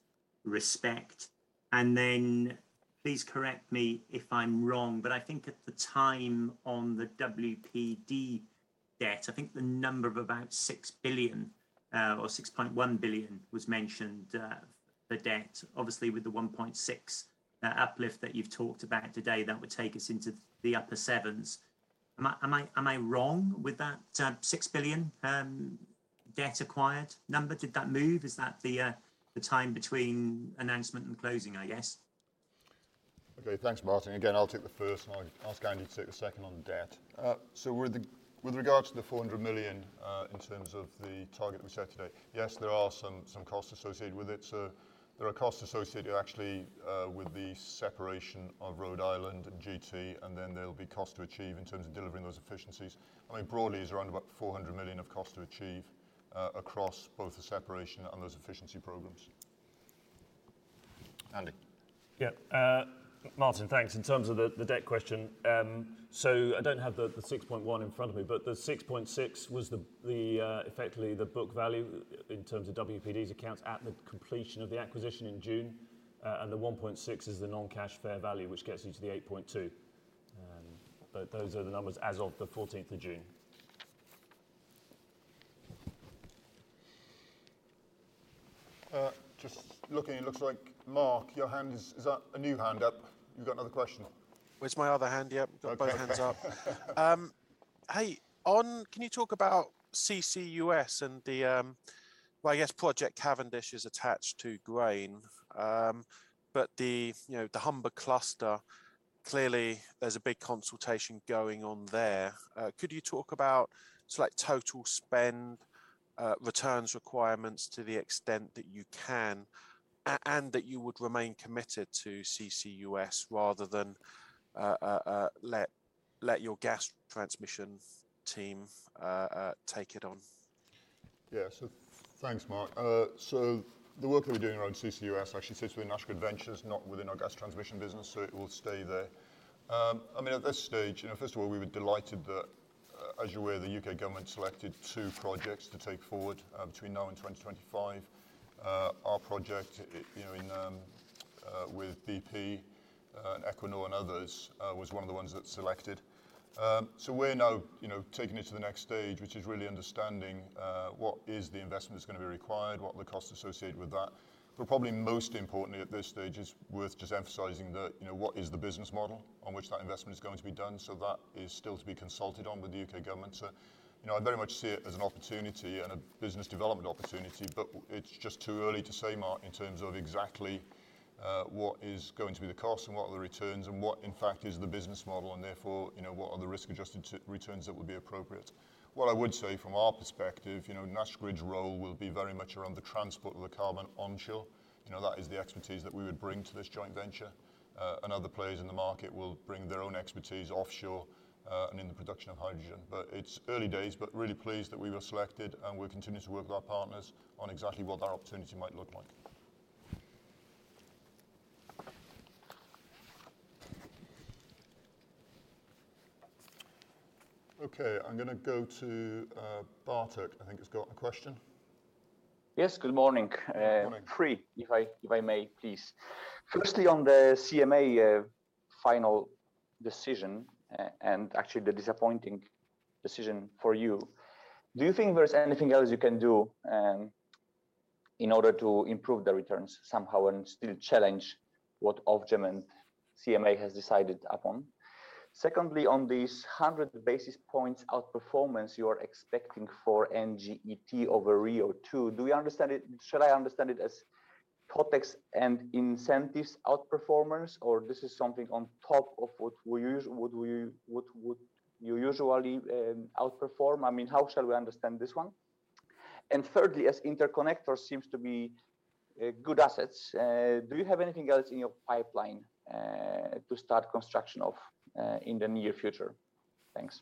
respect. Then please correct me if I'm wrong, but I think at the time on the WPD debt, the number of about 6 billion or 6.1 billion was mentioned, the debt. Obviously, with the 1.6 billion uplift that you've talked about today, that would take us into the upper sevens. Am I wrong with that, 6 billion debt acquired number, did that move? Is that the time between announcement and closing, I guess? Okay. Thanks, Martin. I'll take the first and I'll ask Andy to take the second on debt. With regards to the 400 million, in terms of the target we set today, yes, there are some costs associated with it. There are costs associated actually with the separation of Rhode Island and GT, and then there'll be cost to achieve in terms of delivering those efficiencies. I mean, broadly is around about 400 million of cost to achieve across both the separation and those efficiency programs. Andy? Yeah. Martin, thanks. In terms of the debt question, I don't have the 6.1 billion in front of me, but the 6.6 billion was effectively the book value in terms of WPD's accounts at the completion of the acquisition in June. And the 1.6 billion is the non-cash fair value, which gets you to the 8.2 billion. But those are the numbers as of the 14th of June. Just looking, it looks like Mark, your hand is that a new hand up? You've got another question? It's my other hand, yep. Okay. Got both hands up. Can you talk about CCUS and the, well, I guess Project Cavendish is attached to Grain, but the, you know, the Humber cluster, clearly there's a big consultation going on there. Could you talk about expected total spend, returns requirements to the extent that you can and that you would remain committed to CCUS rather than let your gas transmission team take it on? Yeah. Thanks, Mark. The work that we're doing around CCUS actually sits within National Grid Ventures, not within our gas transmission business, so it will stay there. I mean, at this stage, you know, first of all, we were delighted that, as you're aware, the U.K. government selected two projects to take forward, between now and 2025. Our project, you know, in with BP, and Equinor and others, was one of the ones that's selected. We're now, you know, taking it to the next stage, which is really understanding, what is the investment that's gonna be required, what are the costs associated with that. Probably most importantly at this stage, it's worth just emphasizing that, you know, what is the business model on which that investment is going to be done. That is still to be consulted on with the U.K. government. You know, I very much see it as an opportunity and a business development opportunity, but it's just too early to say, Mark, in terms of exactly what is going to be the cost and what are the returns and what in fact is the business model and therefore, you know, what are the risk-adjusted returns that would be appropriate. What I would say from our perspective, you know, National Grid's role will be very much around the transport of the carbon onshore. You know, that is the expertise that we would bring to this joint venture. Other players in the market will bring their own expertise offshore, and in the production of hydrogen. It's early days, but really pleased that we were selected, and we're continuing to work with our partners on exactly what that opportunity might look like. Okay. I'm gonna go to, Bartek, I think, has got a question. Yes. Good morning. Morning. Three, if I may, please. Firstly, on the CMA final decision, and actually the disappointing decision for you, do you think there's anything else you can do in order to improve the returns somehow and still challenge what Ofgem and CMA has decided upon? Secondly, on these 100 basis points outperformance you're expecting for NGET over RIIO-2, do we understand it? Should I understand it as CapEx and incentives outperformance, or this is something on top of what we usually outperform? I mean, how shall we understand this one? Thirdly, as interconnectors seems to be good assets, do you have anything else in your pipeline to start construction of in the near future? Thanks.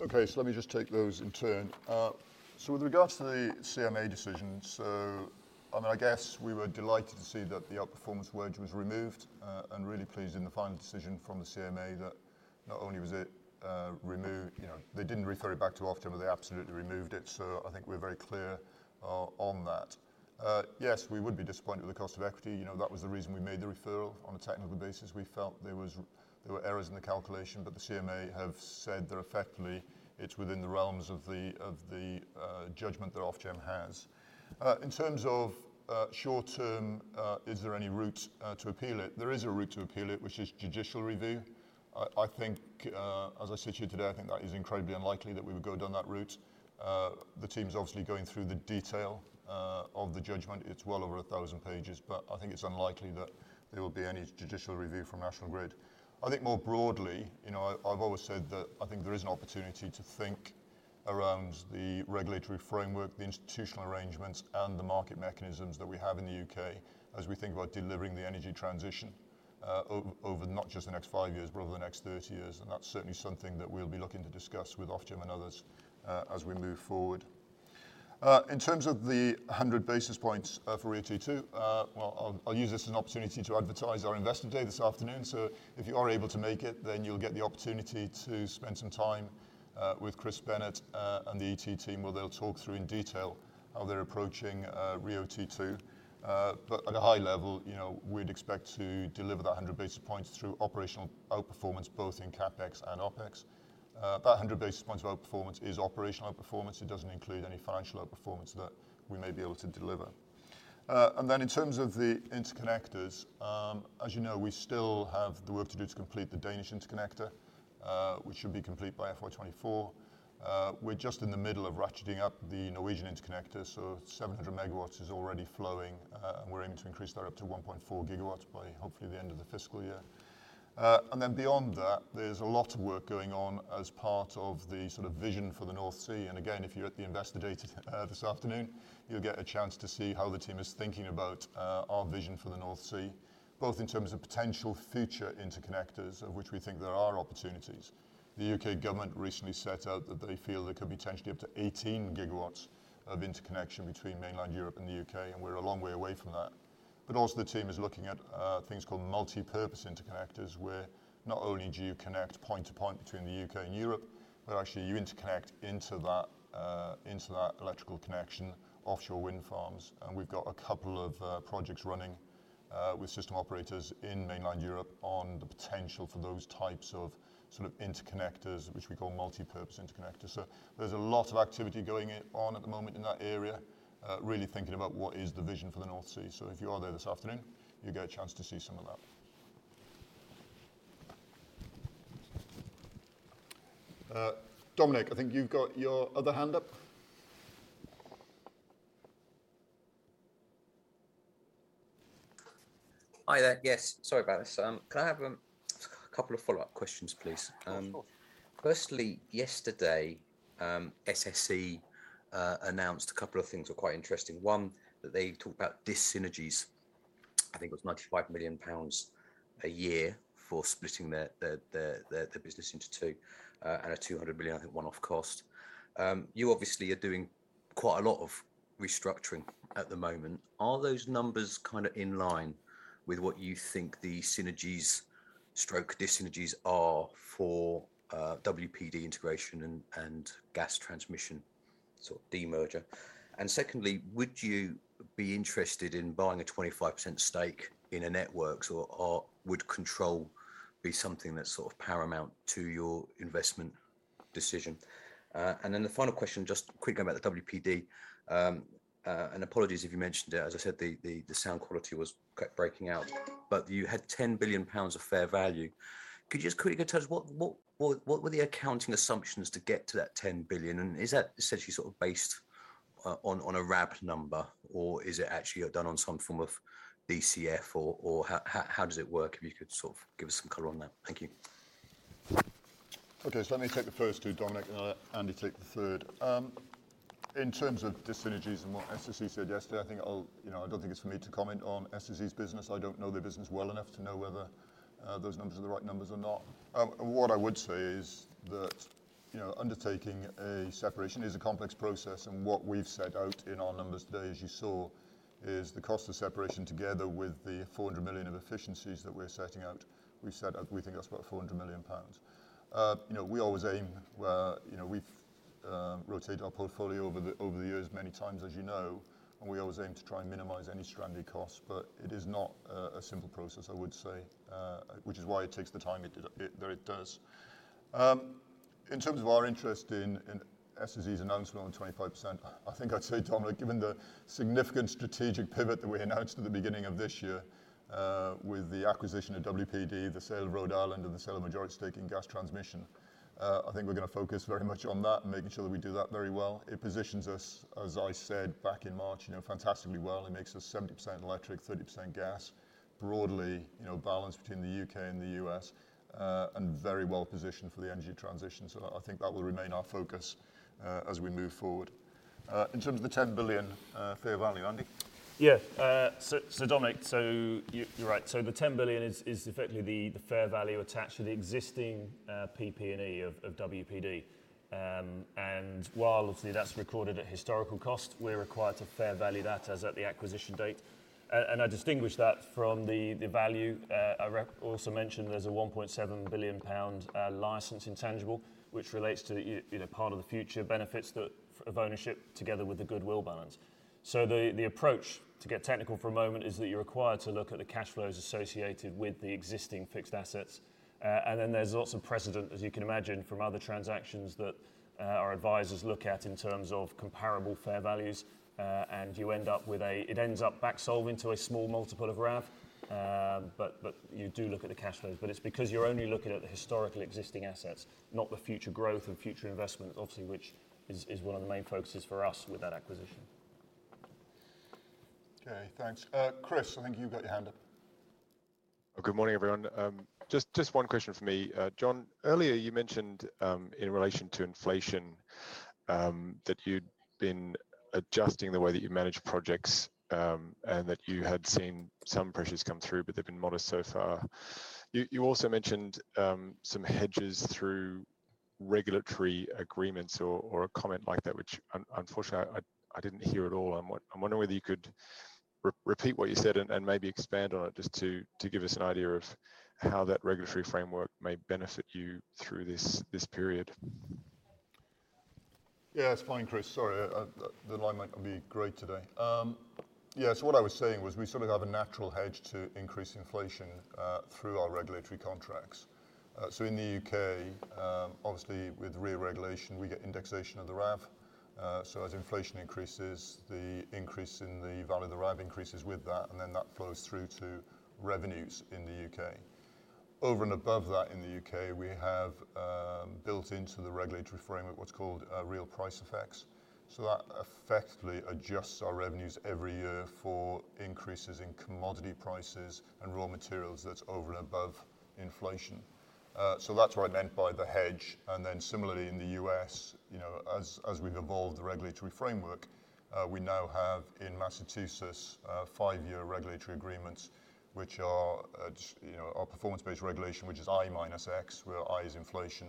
Okay. Let me just take those in turn. With regards to the CMA decision, I mean, I guess we were delighted to see that the outperformance wedge was removed, and really pleased in the final decision from the CMA that not only was it removed, you know, they didn't refer it back to Ofgem, but they absolutely removed it. I think we're very clear on that. Yes, we would be disappointed with the cost of equity. You know, that was the reason we made the referral. On a technical basis, we felt there were errors in the calculation, but the CMA have said that effectively it's within the realms of the judgment that Ofgem has. In terms of short-term, is there any route to appeal it? There is a route to appeal it, which is judicial review. I think as I sit here today, I think that is incredibly unlikely that we would go down that route. The team's obviously going through the detail of the judgment. It's well over 1,000 pages, but I think it's unlikely that there will be any judicial review from National Grid. I think more broadly, you know, I've always said that I think there is an opportunity to think around the regulatory framework, the institutional arrangements, and the market mechanisms that we have in the U.K. as we think about delivering the energy transition, over not just the next five years, but over the next 30 years. That's certainly something that we'll be looking to discuss with Ofgem and others as we move forward. In terms of the 100 basis points for RIIO-T2, well, I'll use this as an opportunity to advertise our investor day this afternoon. If you are able to make it, then you'll get the opportunity to spend some time with Chris Bennett and the ET team, where they'll talk through in detail how they're approaching RIIO-T2. At a high level, you know, we'd expect to deliver that 100 basis points through operational outperformance, both in CapEx and OpEx. That 100 basis points of outperformance is operational outperformance. It doesn't include any financial outperformance that we may be able to deliver. In terms of the interconnectors, as you know, we still have the work to do to complete the Danish interconnector, which should be complete by FY 2024. We're just in the middle of ratcheting up the Norwegian interconnector, so 700 MW is already flowing, and we're aiming to increase that up to 1.4 GW by hopefully the end of the fiscal year. Beyond that, there's a lot of work going on as part of the sort of vision for the North Sea. Again, if you're at the investor day this afternoon, you'll get a chance to see how the team is thinking about our vision for the North Sea, both in terms of potential future interconnectors of which we think there are opportunities. The U.K. government recently set out that they feel there could be potentially up to 18 GW of interconnection between mainland Europe and the U.K., and we're a long way away from that. also the team is looking at things called multipurpose interconnectors, where not only do you connect point to point between the U.K. and Europe, but actually you interconnect into that electrical connection, offshore wind farms. We've got a couple of projects running with system operators in mainland Europe on the potential for those types of sort of interconnectors, which we call multipurpose interconnectors. There's a lot of activity going on at the moment in that area, really thinking about what is the vision for the North Sea. If you are there this afternoon, you'll get a chance to see some of that. Dominic, I think you've got your other hand up. Hi there. Yes, sorry about this. Can I have a couple of follow-up questions, please? Of course. Firstly, yesterday SSE announced a couple of things that were quite interesting. One, that they talked about dyssynergies, I think it was 95 million pounds a year for splitting their business into two, and a 200 million, I think, one-off cost. You obviously are doing quite a lot of restructuring at the moment. Are those numbers kinda in line with what you think the synergies/dyssynergies are for WPD integration and gas transmission sort of demerger? Secondly, would you be interested in buying a 25% stake in a networks or would control be something that's sort of paramount to your investment decision? The final question, just quickly about the WPD, and apologies if you mentioned it, as I said, the sound quality was kept breaking out, but you had 10 billion pounds of fair value. Could you just quickly tell us what were the accounting assumptions to get to that 10 billion? And is that essentially sort of based on a RAV number, or is it actually done on some form of DCF, or how does it work? If you could sort of give us some color on that. Thank you. Okay. Let me take the first two, Dominic, and Andy take the third. In terms of dis-synergies and what SSE said yesterday, I think you know, I don't think it's for me to comment on SSE's business. I don't know their business well enough to know whether those numbers are the right numbers or not. What I would say is that, you know, undertaking a separation is a complex process, and what we've set out in our numbers today, as you saw, is the cost of separation together with the 400 million of efficiencies that we've set out, we think that's about 400 million pounds. You know, we always aim, you know, we've rotated our portfolio over the years many times as you know, and we always aim to try and minimize any stranded costs. It is not a simple process, I would say, which is why it takes the time that it does. In terms of our interest in SSE's announcement on 25%, I think I'd say, Dominic, given the significant strategic pivot that we announced at the beginning of this year, with the acquisition of WPD, the sale of Rhode Island, and the sale of majority stake in gas transmission, I think we're gonna focus very much on that and making sure that we do that very well. It positions us, as I said back in March, you know, fantastically well. It makes us 70% electric, 30% gas, broadly, you know, balanced between the U.K. and the U.S., and very well positioned for the energy transition. I think that will remain our focus, as we move forward. In terms of the 10 billion fair value, Andy? Dominic, you're right. The 10 billion is effectively the fair value attached to the existing PP&E of WPD. While obviously that's recorded at historical cost, we're required to fair value that as at the acquisition date. I distinguish that from the value also mentioned. There's a 1.7 billion pound license intangible, which relates to the, you know, part of the future benefits of ownership together with the goodwill balance. The approach, to get technical for a moment, is that you're required to look at the cash flows associated with the existing fixed assets. There's lots of precedent, as you can imagine, from other transactions that our advisors look at in terms of comparable fair values. It ends up back solving to a small multiple of RAV. You do look at the cash flows. It's because you're only looking at the historical existing assets, not the future growth and future investment, obviously, which is one of the main focuses for us with that acquisition. Okay. Thanks. Chris, I think you've got your hand up. Good morning, everyone. Just one question from me. John, earlier you mentioned in relation to inflation that you'd been adjusting the way that you manage projects and that you had seen some pressures come through, but they've been modest so far. You also mentioned some hedges through regulatory agreements or a comment like that, which unfortunately I didn't hear at all. I'm wondering whether you could repeat what you said and maybe expand on it just to give us an idea of how that regulatory framework may benefit you through this period. Yeah, it's fine, Chris. Sorry. The line might not be great today. Yeah, what I was saying was we sort of have a natural hedge against increased inflation through our regulatory contracts. In the U.K., obviously with re-regulation, we get indexation of the RAV. As inflation increases, the increase in the value of the RAV increases with that, and then that flows through to revenues in the U.K. Over and above that in the U.K., we have built into the regulatory framework what's called real price effects. That effectively adjusts our revenues every year for increases in commodity prices and raw materials that's over and above inflation. That's what I meant by the hedge. Similarly in the U.S., you know, as we've evolved the regulatory framework, we now have in Massachusetts five-year regulatory agreements, which are, you know, performance-based regulation, which is I-X, where I is inflation.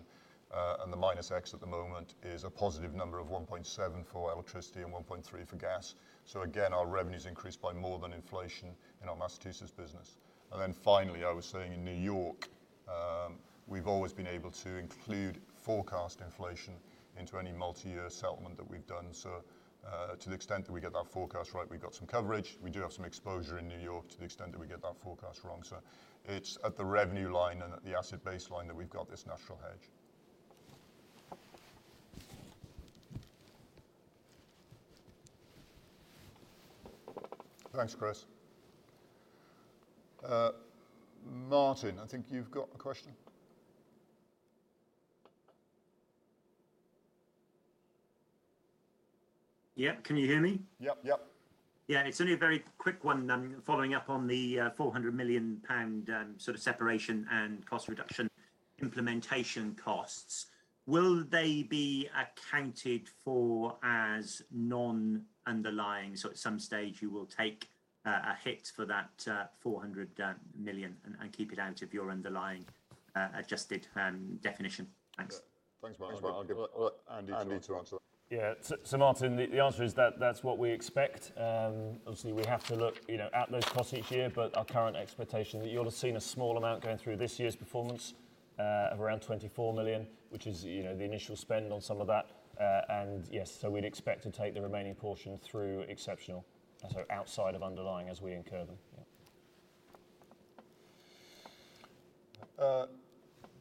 The minus X at the moment is a positive number of 1.7 for electricity and 1.3 for gas. Again, our revenues increased by more than inflation in our Massachusetts business. Finally, I was saying in New York, we've always been able to include forecast inflation into any multi-year settlement that we've done. To the extent that we get that forecast right, we've got some coverage. We do have some exposure in New York to the extent that we get that forecast wrong. It's at the revenue line and at the asset base line that we've got this natural hedge. Thanks, Chris. Martin, I think you've got a question. Yeah. Can you hear me? Yep, yep. Yeah, it's only a very quick one. I'm following up on the 400 million pound sort of separation and cost reduction implementation costs. Will they be accounted for as non-underlying? At some stage, you will take a hit for that 400 million and keep it out of your underlying adjusted definition? Thanks. Thanks, Martin. Andy to answer. Yeah. Martin, the answer is that that's what we expect. Obviously, we have to look, you know, at those costs each year, but our current expectation that you'll have seen a small amount going through this year's performance, of around 24 million, which is, you know, the initial spend on some of that. Yes, we'd expect to take the remaining portion through exceptional, and outside of underlying as we incur them. Yeah.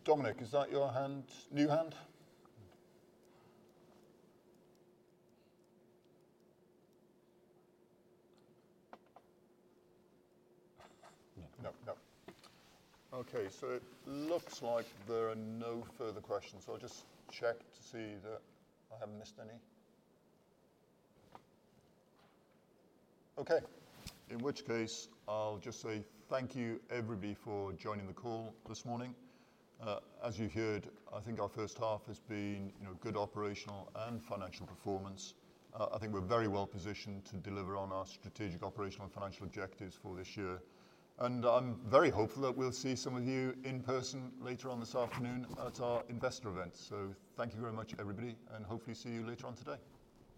Dominic, is that your hand, new hand? No, no. Okay. It looks like there are no further questions. I'll just check to see that I haven't missed any. Okay. In which case, I'll just say thank you, everybody, for joining the call this morning. As you heard, I think our first half has been, you know, good operational and financial performance. I think we're very well positioned to deliver on our strategic operational and financial objectives for this year. I'm very hopeful that we'll see some of you in person later on this afternoon at our investor event. Thank you very much, everybody, and hopefully see you later on today.